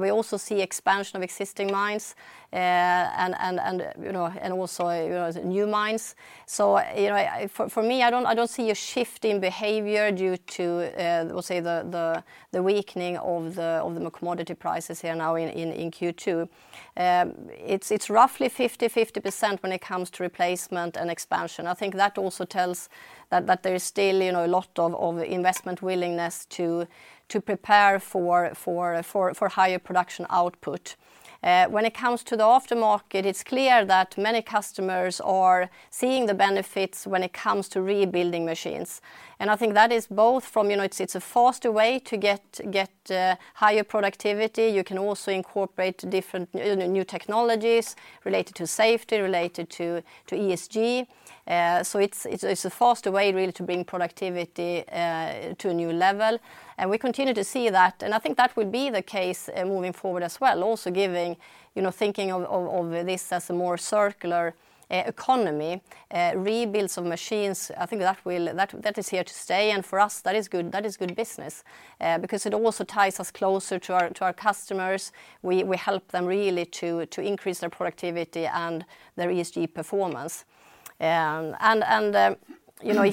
We also see expansion of existing mines, and, you know, and also, you know, new mines. You know, I, for me, I don't, I don't see a shift in behavior due to, we'll say, the weakening of the commodity prices here now in Q2. It's, it's roughly 50/50% when it comes to replacement and expansion. I think that also tells that there is still, you know, a lot of investment willingness to prepare for higher production output. When it comes to the aftermarket, it's clear that many customers are seeing the benefits when it comes to rebuilding machines. And I think that is both from, you know, it's a faster way to get higher productivity. You can also incorporate different, you know, new technologies related to safety, related to ESG. It's a faster way, really, to bring productivity to a new level, and we continue to see that. I think that will be the case moving forward as well, also giving, you know, thinking of this as a more circular economy. Rebuilds of machines, I think that is here to stay, and for us, that is good business. Because it also ties us closer to our customers. We help them really to increase their productivity and their ESG performance. And, you know,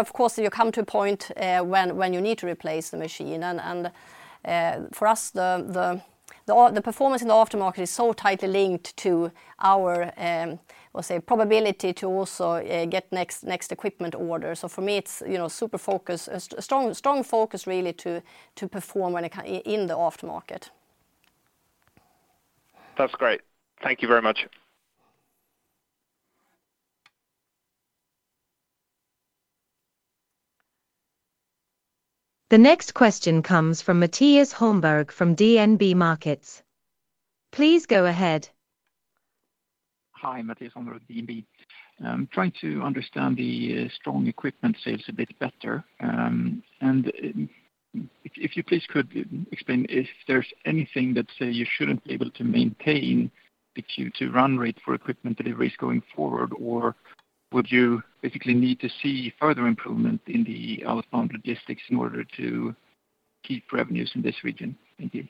of course, you come to a point when you need to replace the machine. For us, the performance in the aftermarket is so tightly linked to our, what I say, probability to also get next equipment order. For me, it's, you know, super focused, a strong focus really to perform in the aftermarket. That's great. Thank you very much. The next question comes from Mattias Holmberg from DNB Markets. Please go ahead. Hi, Mattias Holmberg, DNB. I'm trying to understand the strong equipment sales a bit better. If you please could explain if there's anything that, say, you shouldn't be able to maintain the Q2 run rate for equipment deliveries going forward, or would you basically need to see further improvement in the outbound logistics in order to keep revenues in this region? Thank you.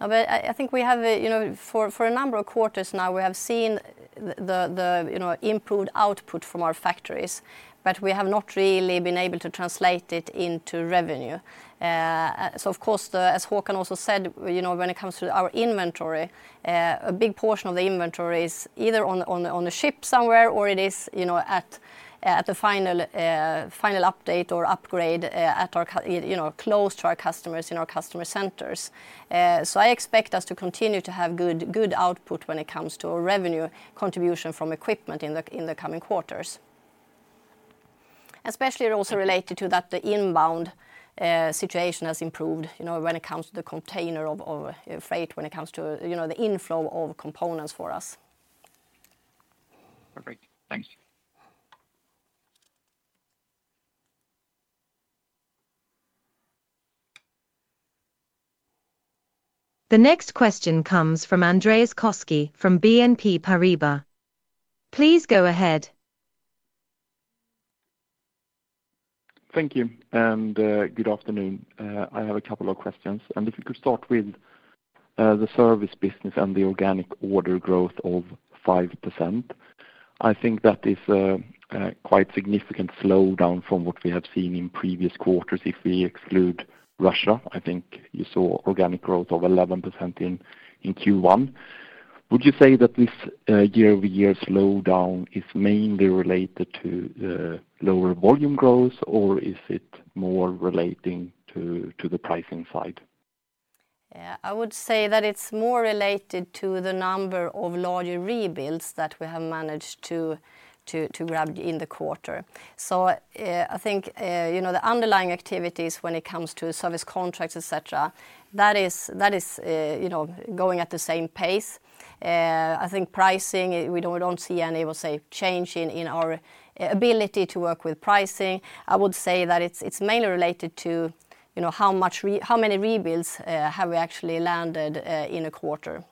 I think we have, you know, for a number of quarters now, we have seen the, you know, improved output from our factories, but we have not really been able to translate it into revenue. Of course, the, as Håkan also said, you know, when it comes to our inventory, a big portion of the inventory is either on the, on the, on the ship somewhere, or it is, you know, at the final update or upgrade, at our you know, close to our customers in our customer centers. I expect us to continue to have good output when it comes to our revenue contribution from equipment in the, in the coming quarters. Especially also related to that, the inbound situation has improved, you know, when it comes to the container of freight, when it comes to, you know, the inflow of components for us. Great. Thank you. The next question comes from Andreas Koski from BNP Paribas. Please go ahead. Thank you, and good afternoon. I have a couple of questions, and if you could start with the service business and the organic order growth of 5%. I think that is quite significant slowdown from what we had seen in previous quarters. If we exclude Russia, I think you saw organic growth of 11% in Q1. Would you say that this year-over-year slowdown is mainly related to the lower volume growth, or is it more relating to the pricing side? I would say that it's more related to the number of larger rebuilds that we have managed to grab in the quarter. I think, you know, the underlying activities when it comes to service contracts, et cetera, that is going at the same pace. I think pricing, we don't see any, we'll say, change in our ability to work with pricing. I would say that it's mainly related to, you know, how many rebuilds have we actually landed in a quarter?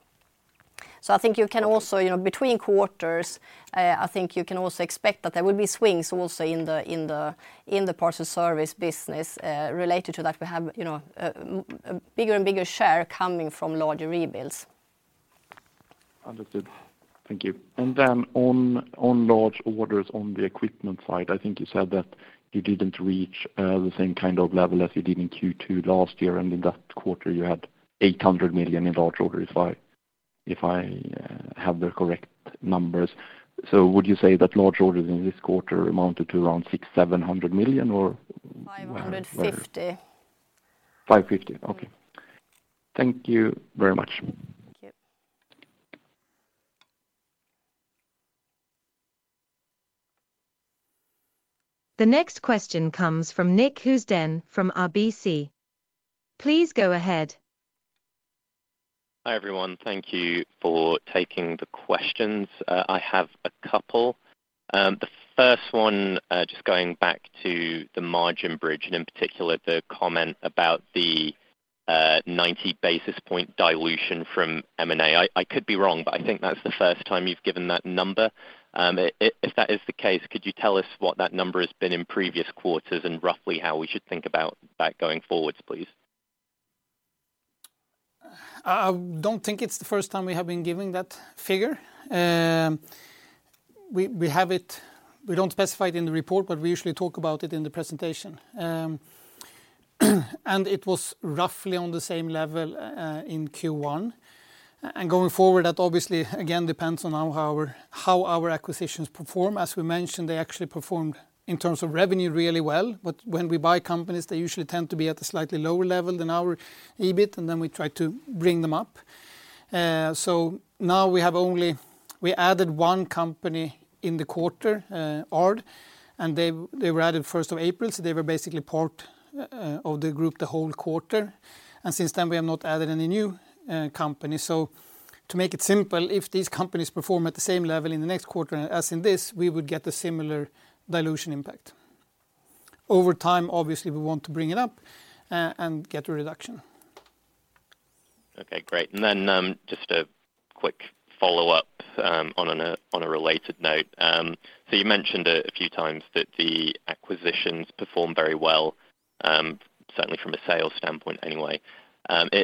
I think you can also, you know, between quarters, I think you can also expect that there will be swings also in the parts of service business. Related to that, we have, you know, a bigger and bigger share coming from larger rebuilds. Understood. Thank you. On large orders, on the equipment side, I think you said that you didn't reach the same kind of level as you did in Q2 last year, and in that quarter you had 800 million in large orders, if I have the correct numbers. Would you say that large orders in this quarter amounted to around 600-700 million, or? 550. 550. Okay. Thank you very much. Thank you. The next question comes from Nick Housden from RBC. Please go ahead. Hi, everyone. Thank you for taking the questions. I have a couple. The first one, just going back to the margin bridge, and in particular, the comment about the 90 basis point dilution from M&A. I could be wrong, but I think that's the first time you've given that number. If that is the case, could you tell us what that number has been in previous quarters and roughly how we should think about that going forwards, please? I don't think it's the first time we have been giving that figure. We don't specify it in the report, but we usually talk about it in the presentation. It was roughly on the same level in Q1. Going forward, that obviously, again, depends on how our acquisitions perform. As we mentioned, they actually performed in terms of revenue really well, but when we buy companies, they usually tend to be at a slightly lower level than our EBIT, and then we try to bring them up. So now we added one company in the quarter, AARD, and they were added first of April, so they were basically part of the group the whole quarter. Since then, we have not added any new companies. To make it simple, if these companies perform at the same level in the next quarter as in this, we would get a similar dilution impact. Over time, obviously, we want to bring it up, and get a reduction. Okay, great. Just a quick follow-up on a related note. You mentioned a few times that the acquisitions performed very well, certainly from a sales standpoint anyway.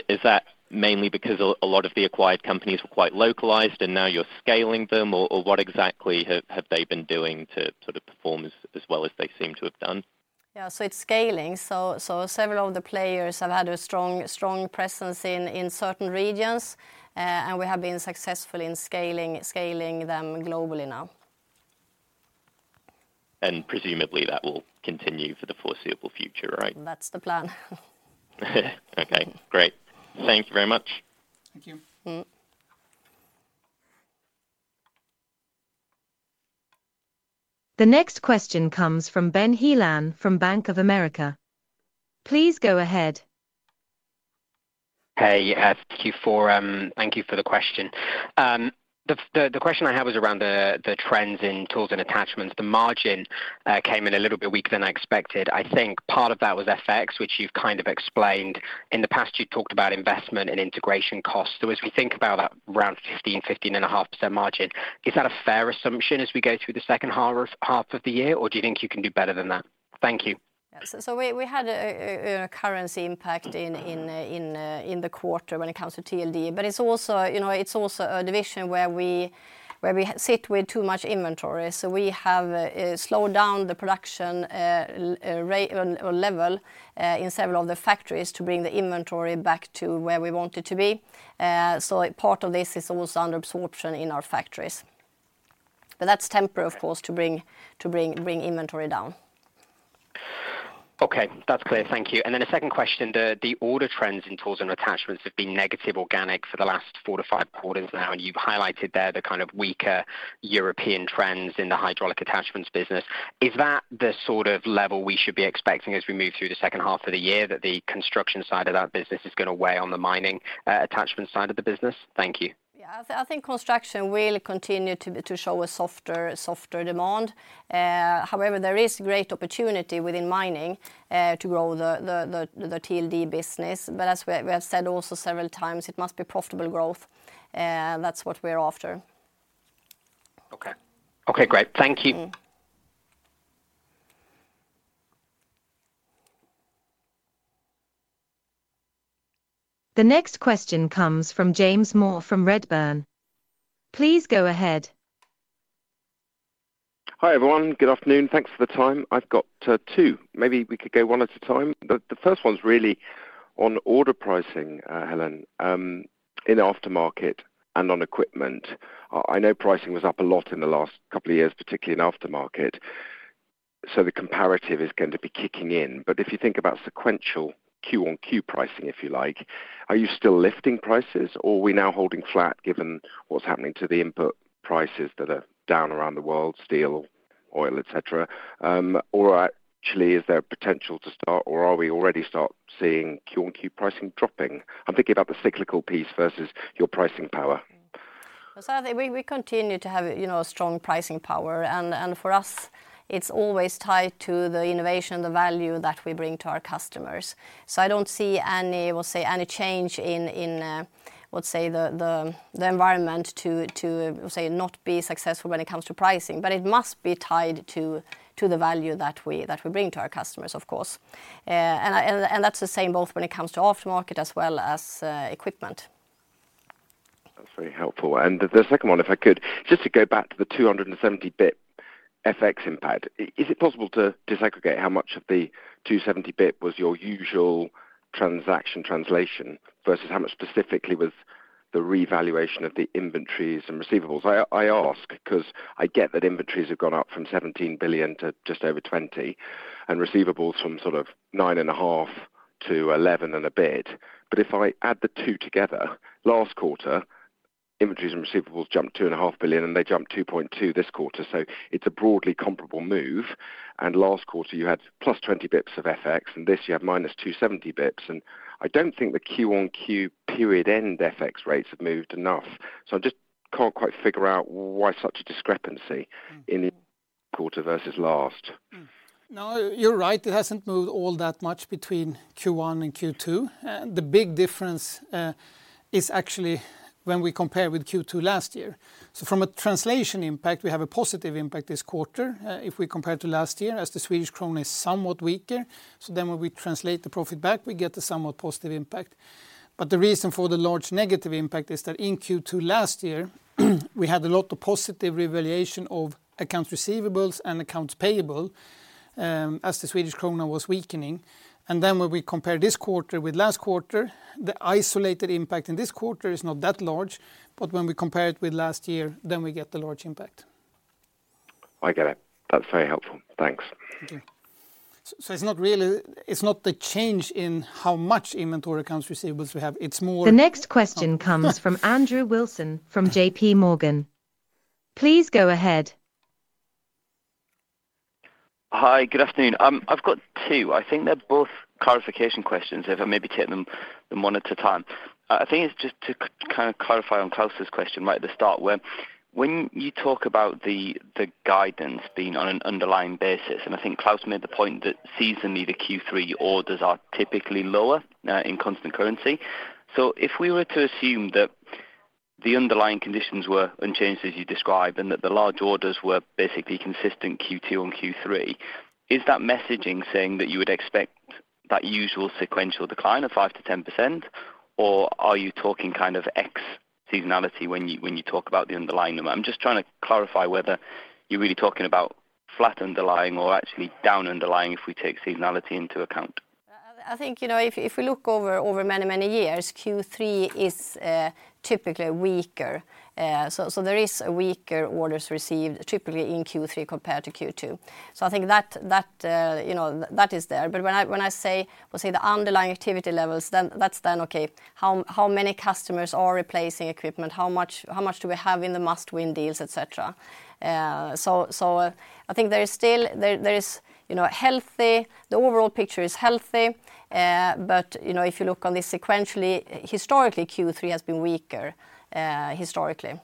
Is that mainly because a lot of the acquired companies were quite localized and now you're scaling them? Or what exactly have they been doing to sort of perform as well as they seem to have done? Yeah, so it's scaling. Several of the players have had a strong presence in certain regions, and we have been successful in scaling them globally now. Presumably, that will continue for the foreseeable future, right? That's the plan. Okay, great. Thank you very much. Thank you. Mm. The next question comes from Ben Heelan from Bank of America. Please go ahead. Hey, Q4, thank you for the question. The question I have is around the trends in tools and attachments. The margin came in a little bit weaker than I expected. I think part of that was FX, which you've kind of explained. In the past, you talked about investment and integration costs. As we think about that round 15-15.5% margin, is that a fair assumption as we go through the second half of the year, or do you think you can do better than that? Thank you. Yes, we had a currency impact in the quarter when it comes to FLD. It's also, you know, it's also a division where we sit with too much inventory, so we have slowed down the production rate or level in several of the factories to bring the inventory back to where we want it to be. Part of this is also under absorption in our factories. That's temporary, of course, to bring inventory down. Okay, that's clear. Thank you. The second question, the order trends in tools and attachments have been negative organic for the last 4-5 quarters now, and you've highlighted there the kind of weaker European trends in the hydraulic attachments business. Is that the sort of level we should be expecting as we move through the second half of the year, that the construction side of that business is gonna weigh on the mining attachment side of the business? Thank you. I think construction will continue to show a softer demand. However, there is great opportunity within mining to grow the FLD business. As we have said also several times, it must be profitable growth, that's what we're after. Okay. Okay, great. Thank you. The next question comes from James Moore from Redburn. Please go ahead. Hi, everyone. Good afternoon. Thanks for the time. I've got two. Maybe we could go one at a time. The first one's really on order pricing, Helen. In aftermarket and on equipment, I know pricing was up a lot in the last couple of years, particularly in aftermarket, so the comparative is going to be kicking in. If you think about sequential Q-on-Q pricing, if you like, are you still lifting prices, or are we now holding flat, given what's happening to the input prices that are down around the world, steel, oil, et cetera? Actually, is there potential to start, or are we already start seeing Q-on-Q pricing dropping? I'm thinking about the cyclical piece versus your pricing power. I think we continue to have, you know, strong pricing power, and for us, it's always tied to the innovation, the value that we bring to our customers. I don't see any, we'll say, any change in, let's say, the environment to say not be successful when it comes to pricing, but it must be tied to the value that we bring to our customers, of course. That's the same both when it comes to aftermarket as well as equipment. That's very helpful. The second one, if I could, just to go back to the 270 bit FX impact. Is it possible to disaggregate how much of the 270 bit was your usual transaction translation versus how much specifically was the revaluation of the inventories and receivables? I ask because I get that inventories have gone up from 17 billion to just over 20 billion, and receivables from sort of 9.5 billion to 11 billion and a bit. Last quarter, inventories and receivables jumped 2.5 billion, and they jumped 2.2 billion this quarter, so it's a broadly comparable move. This you have -270 bits, and I don't think the Q-on-Q period end FX rates have moved enough. I just can't quite figure out why such a discrepancy in the quarter versus last. No, you're right. It hasn't moved all that much between Q1 and Q2. The big difference is actually when we compare with Q2 last year. From a translation impact, we have a positive impact this quarter, if we compare to last year, as the Swedish krona is somewhat weaker. When we translate the profit back, we get a somewhat positive impact. The reason for the large negative impact is that in Q2 last year, we had a lot of positive revaluation of accounts receivables and accounts payable, as the Swedish krona was weakening. When we compare this quarter with last quarter, the isolated impact in this quarter is not that large, when we compare it with last year, we get the large impact. I get it. That's very helpful. Thanks. Okay. It's not the change in how much inventory accounts receivables we have. It's more. The next question comes from Andrew Wilson, from JPMorgan. Please go ahead. Hi, good afternoon. I've got two. I think they're both clarification questions, if I may be taking them one at a time. I think it's just to kind of clarify on Klas' question right at the start, when you talk about the guidance being on an underlying basis, and I think Klas made the point that seasonally, the Q3 orders are typically lower in constant currency. If we were to assume that the underlying conditions were unchanged as you described, and that the large orders were basically consistent Q2 on Q3, is that messaging saying that you would expect that usual sequential decline of 5%-10%, or are you talking kind of ex-seasonality when you talk about the underlying number? I'm just trying to clarify whether you're really talking about flat underlying or actually down underlying, if we take seasonality into account. I think, you know, if we look over many years, Q3 is typically weaker. There is a weaker orders received, typically in Q3 compared to Q2. I think that, you know, that is there. When I say the underlying activity levels, that's then, okay, how many customers are replacing equipment? How much do we have in the must-win deals, et cetera? I think there is still, there is, you know, healthy. The overall picture is healthy, you know, if you look on this sequentially, historically, Q3 has been weaker, historically.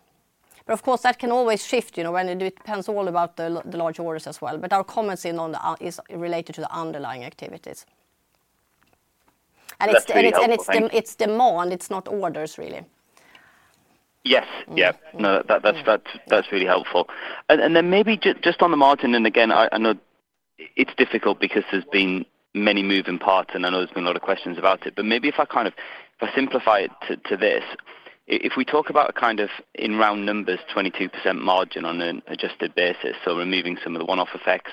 Of course, that can always shift, you know, when it depends all about the large orders as well. Our comments in on the u-, is related to the underlying activities. That's really helpful. It's demand, it's not orders, really. Yes. Yeah. No, that's really helpful. Then maybe just on the margin, again, I know it's difficult because there's been many moving parts, and I know there's been a lot of questions about it, but maybe if I kind of, if I simplify it to this: if we talk about a kind of, in round numbers, 22% margin on an adjusted basis, so removing some of the one-off effects,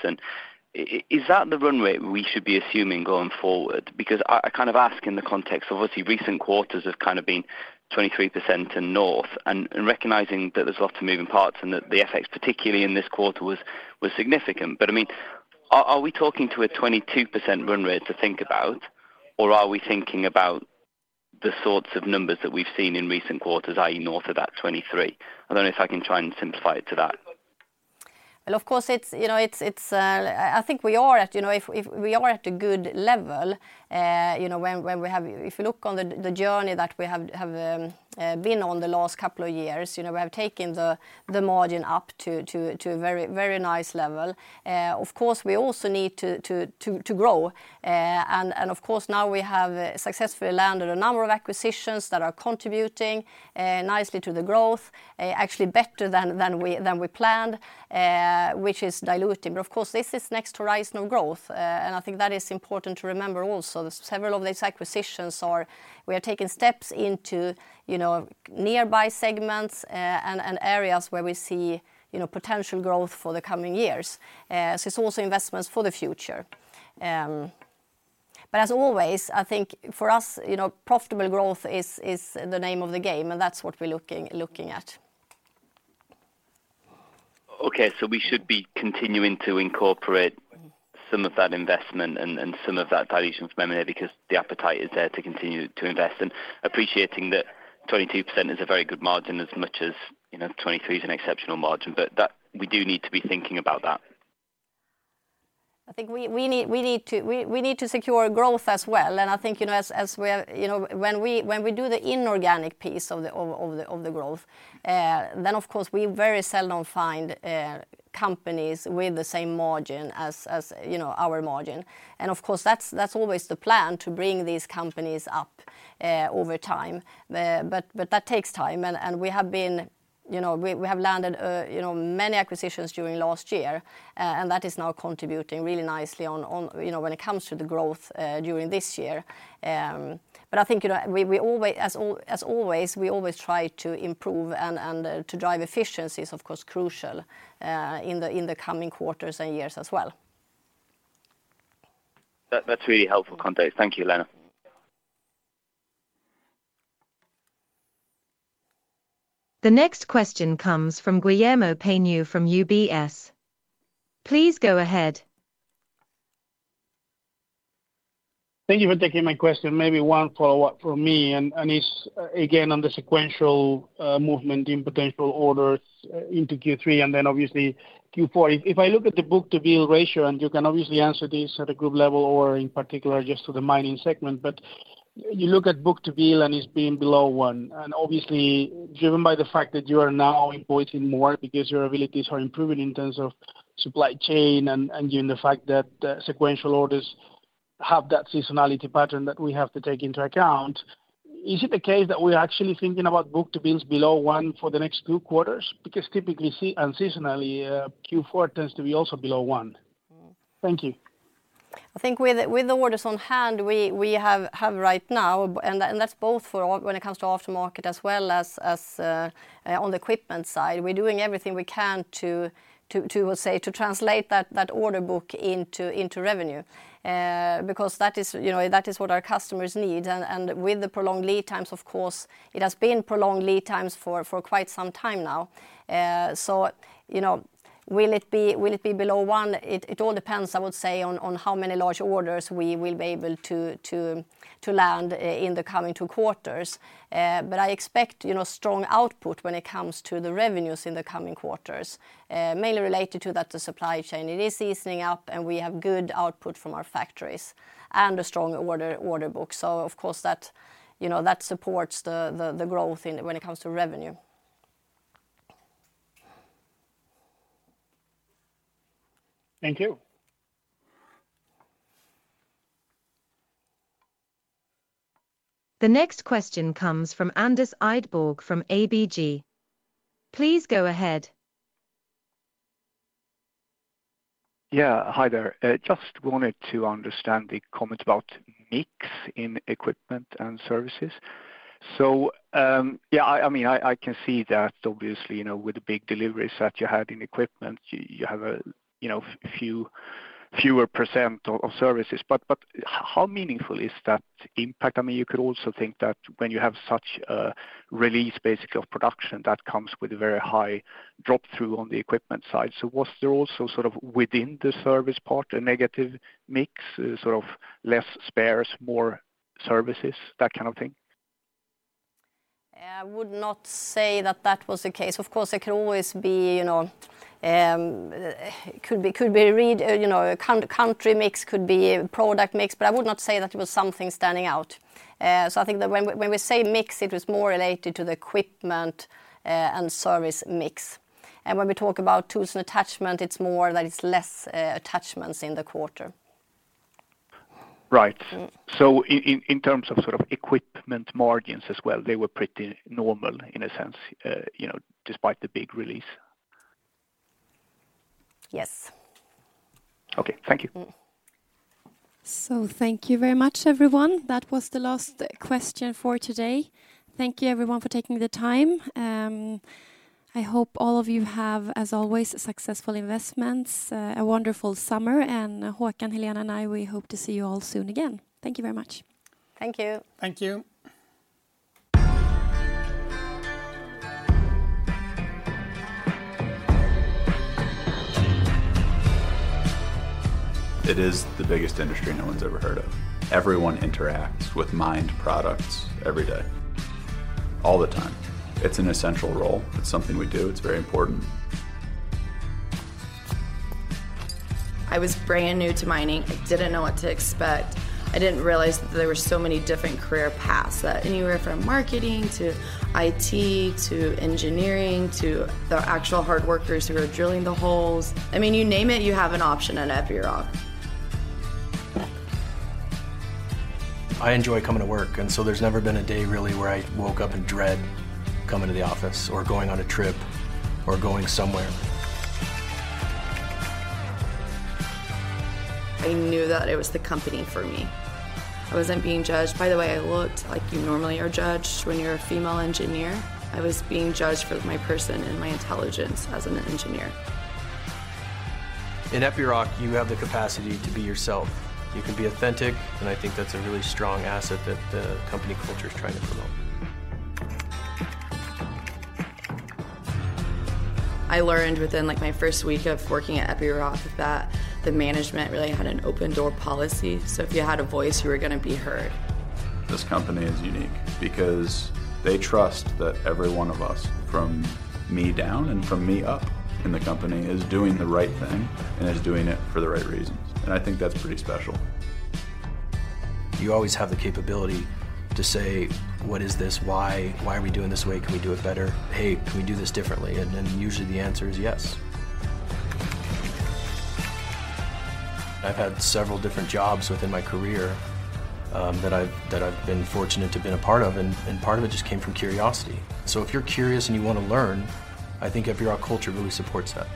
is that the runway we should be assuming going forward? I kind of ask in the context of, obviously, recent quarters have kind of been 23% and North, and recognizing that there's lots of moving parts and that the effects, particularly in this quarter, was significant. I mean, are we talking to a 22% run rate to think about, or are we thinking about the sorts of numbers that we've seen in recent quarters, i.e., North of that 23%? I don't know if I can try and simplify it to that. Well, of course, it's, you know, it's, I think we are at, you know, if we are at a good level, you know, when we have if you look on the journey that we have been on the last couple of years, you know, we have taken the margin up to a very, very nice level. Of course, we also need to grow. And of course, now we have successfully landed a number of acquisitions that are contributing nicely to the growth, actually better than we planned, which is dilutive. Of course, this is next to horizontal growth, and I think that is important to remember also. Several of these acquisitions are taking steps into, you know, nearby segments, and areas where we see, you know, potential growth for the coming years. It's also investments for the future. As always, I think for us, you know, profitable growth is the name of the game, and that's what we're looking at. We should be continuing to incorporate some of that investment and some of that dilution from M&A because the appetite is there to continue to invest, and appreciating that 22% is a very good margin as much as, you know, 23% is an exceptional margin. That we do need to be thinking about that. I think we need to secure growth as well. I think, you know, when we do the inorganic piece of the, of the growth, then of course, we very seldom find companies with the same margin as, you know, our margin. Of course, that's always the plan to bring these companies up over time. But that takes time, and we have been. You know, we have landed, you know, many acquisitions during last year, and that is now contributing really nicely on, you know, when it comes to the growth during this year. I think, you know, we always, as always, we always try to improve and to drive efficiency is, of course, crucial, in the coming quarters and years as well. That's really helpful context. Thank you, Helena. The next question comes from Guillermo Peigneux from UBS. Please go ahead. Thank you for taking my question. Maybe one follow-up from me, and it's again on the sequential movement in potential orders into Q3 and then obviously Q4. If I look at the book-to-bill ratio, and you can obviously answer this at a group level or in particular, just to the mining segment, but you look at book-to-bill, and it's been below one. Obviously, given by the fact that you are now invoicing more because your abilities are improving in terms of supply chain and given the fact that the sequential orders have that seasonality pattern that we have to take into account, is it the case that we're actually thinking about book-to-bills below one for the next two quarters? Typically, and seasonally, Q4 tends to be also below one. Thank you. I think with the orders on hand, we have right now, and that's both for all when it comes to aftermarket as well as on the equipment side. We're doing everything we can to, let's say, to translate that order book into revenue, because that is, you know, that is what our customers need. With the prolonged lead times, of course, it has been prolonged lead times for quite some time now. You know, will it be below one? It all depends, I would say, on how many large orders we will be able to land in the coming two quarters. I expect, you know, strong output when it comes to the revenues in the coming quarters, mainly related to that, the supply chain. It is easing up, and we have good output from our factories and a strong order book. Of course, that, you know, that supports the growth when it comes to revenue. Thank you. The next question comes from Anders Idborg, from ABG. Please go ahead. Hi there. Just wanted to understand the comment about mix in equipment and services. I mean, I can see that obviously, you know, with the big deliveries that you had in equipment, you have a, you know, fewer percent of services. How meaningful is that impact? I mean, you could also think that when you have such a release, basically, of production, that comes with a very high drop-through on the equipment side. Was there also sort of within the service part, a negative mix, sort of less spares, more services, that kind of thing? Uh, I would not say that that was the case. Of course, there could always be, you know, um, uh, could be, could be a read. Uh, you know, a coun- country mix, could be a product mix, but I would not say that it was something standing out. Uh, so I think that when we, when we say mix, it was more related to the equipment, uh, and service mix. And when we talk about tools and attachment, it's more that it's less, uh, attachments in the quarter. Right. Mm. In terms of sort of equipment margins as well, they were pretty normal in a sense, you know, despite the big release? Yes. Okay, thank you. Mm. Thank you very much, everyone. That was the last question for today. Thank you, everyone, for taking the time. I hope all of you have, as always, successful investments, a wonderful summer, and Håkan, Helena, and I, we hope to see you all soon again. Thank you very much. Thank you. Thank you. It is the biggest industry no one's ever heard of. Everyone interacts with mined products every day, all the time. It's an essential role. It's something we do. It's very important. I was brand new to mining. I didn't know what to expect. I didn't realize that there were so many different career paths, that anywhere from marketing to IT, to engineering, to the actual hard workers who are drilling the holes. I mean, you name it, you have an option at Epiroc. I enjoy coming to work, and so there's never been a day, really, where I woke up in dread coming to the office, or going on a trip, or going somewhere. I knew that it was the company for me. I wasn't being judged by the way I looked, like you normally are judged when you're a female engineer. I was being judged for my person and my intelligence as an engineer. In Epiroc, you have the capacity to be yourself. You can be authentic, and I think that's a really strong asset that the company culture is trying to promote. I learned within, like, my first week of working at Epiroc that the management really had an open-door policy. If you had a voice, you were gonna be heard. This company is unique because they trust that every one of us, from me down and from me up in the company, is doing the right thing and is doing it for the right reasons. I think that's pretty special. You always have the capability to say, "What is this? Why? Why are we doing it this way? Can we do it better? Hey, can we do this differently?" Usually the answer is yes. I've had several different jobs within my career, that I've been fortunate to have been a part of, and part of it just came from curiosity. If you're curious, and you wanna learn, I think Epiroc culture really supports that.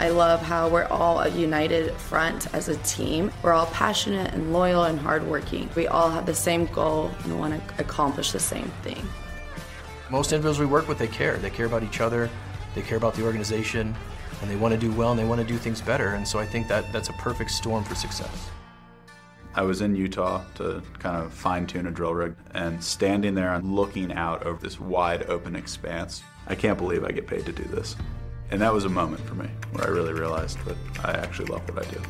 I love how we're all a united front as a team. We're all passionate and loyal and hardworking. We all have the same goal and wanna accomplish the same thing. Most individuals we work with, they care. They care about each other, they care about the organization, and they wanna do well, and they wanna do things better, I think that's a perfect storm for success. I was in Utah to kind of fine-tune a drill rig, and standing there and looking out over this wide-open expanse, I can't believe I get paid to do this, and that was a moment for me, where I really realized that I actually love what I do.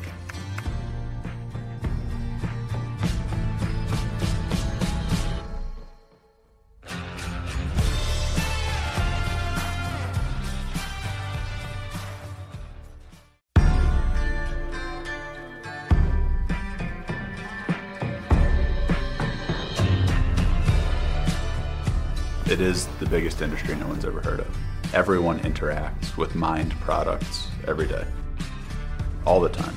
It is the biggest industry no one's ever heard of. Everyone interacts with mined products every day, all the time.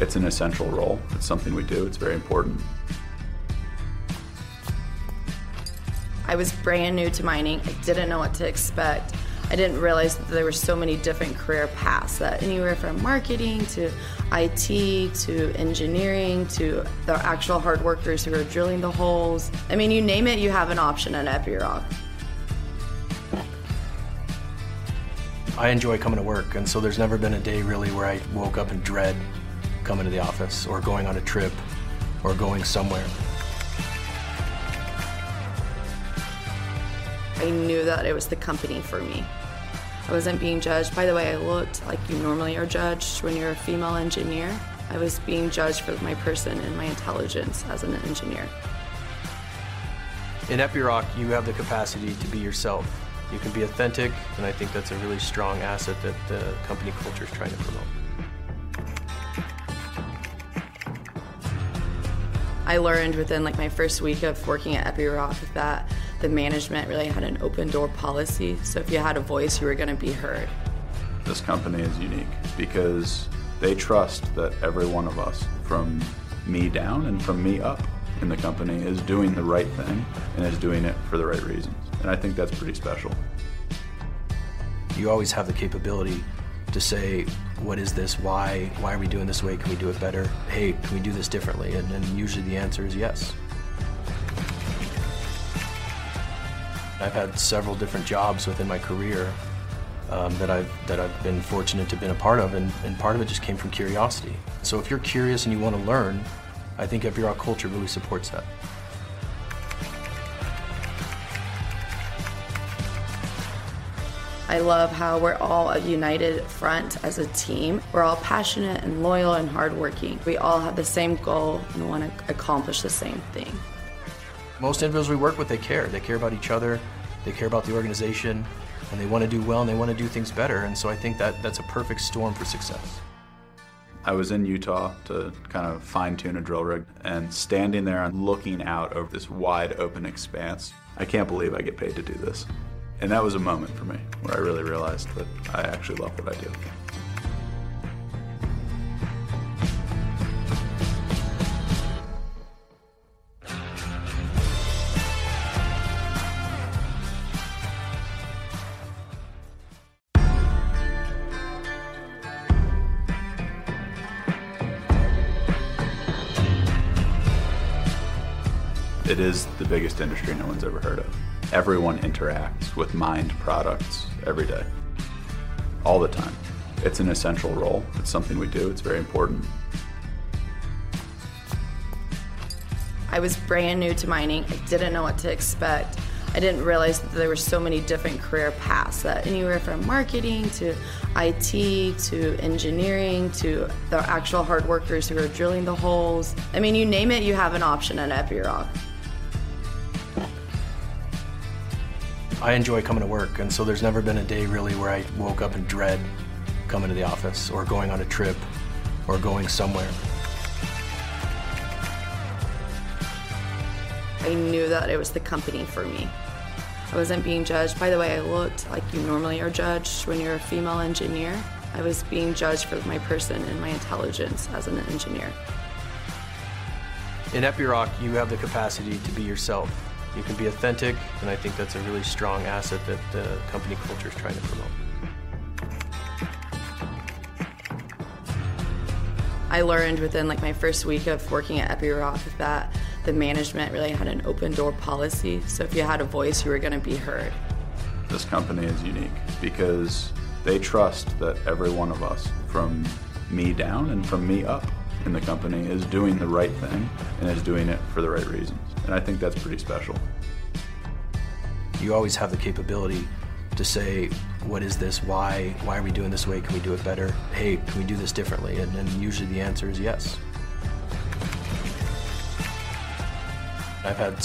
It's an essential role. It's something we do. It's very important. I was brand new to mining. I didn't know what to expect. I didn't realize that there were so many different career paths, that anywhere from marketing to IT to engineering to the actual hard workers who are drilling the holes. I mean, you name it, you have an option at Epiroc. I enjoy coming to work, and so there's never been a day, really, where I woke up in dread coming to the office or going on a trip or going somewhere. I knew that it was the company for me. I wasn't being judged by the way I looked, like you normally are judged when you're a female engineer. I was being judged for my person and my intelligence as an engineer. In Epiroc, you have the capacity to be yourself. You can be authentic. I think that's a really strong asset that the company culture is trying to promote. I learned within, like, my first week of working at Epiroc that the management really had an open-door policy. If you had a voice, you were gonna be heard. This company is unique because they trust that every one of us, from me down and from me up in the company, is doing the right thing and is doing it for the right reasons. I think that's pretty special. You always have the capability to say, "What is this? Why? Why are we doing it this way? Can we do it better? Hey, can we do this differently?" Usually the answer is yes. I've had several different jobs within my career, that I've been fortunate to have been a part of, and part of it just came from curiosity. If you're curious, and you wanna learn, I think Epiroc culture really supports that. I love how we're all a united front as a team. We're all passionate and loyal and hardworking. We all have the same goal and wanna accomplish the same thing. Most individuals we work with, they care. They care about each other, they care about the organization, and they wanna do well, and they wanna do things better, I think that's a perfect storm for success. I was in Utah to kind of fine-tune a drill rig, and standing there and looking out over this wide-open expanse, I can't believe I get paid to do this, and that was a moment for me, where I really realized that I actually love what I do. It is the biggest industry no one's ever heard of. Everyone interacts with mined products every day, all the time. It's an essential role. It's something we do. It's very important. I was brand new to mining. I didn't know what to expect. I didn't realize that there were so many different career paths, that anywhere from marketing to IT to engineering to the actual hard workers who are drilling the holes. I mean, you name it, you have an option at Epiroc. I enjoy coming to work, and so there's never been a day, really, where I woke up in dread coming to the office or going on a trip or going somewhere. I knew that it was the company for me. I wasn't being judged by the way I looked, like you normally are judged when you're a female engineer. I was being judged for my person and my intelligence as an engineer. In Epiroc, you have the capacity to be yourself. You can be authentic. I think that's a really strong asset that the company culture is trying to promote. I learned within, like, my first week of working at Epiroc that the management really had an open-door policy. If you had a voice, you were gonna be heard. This company is unique because they trust that every one of us, from me down and from me up in the company, is doing the right thing and is doing it for the right reasons. I think that's pretty special. You always have the capability to say, "What is this? Why? Why are we doing it this way? Can we do it better? Hey, can we do this differently?" Usually the answer is yes. I've had several-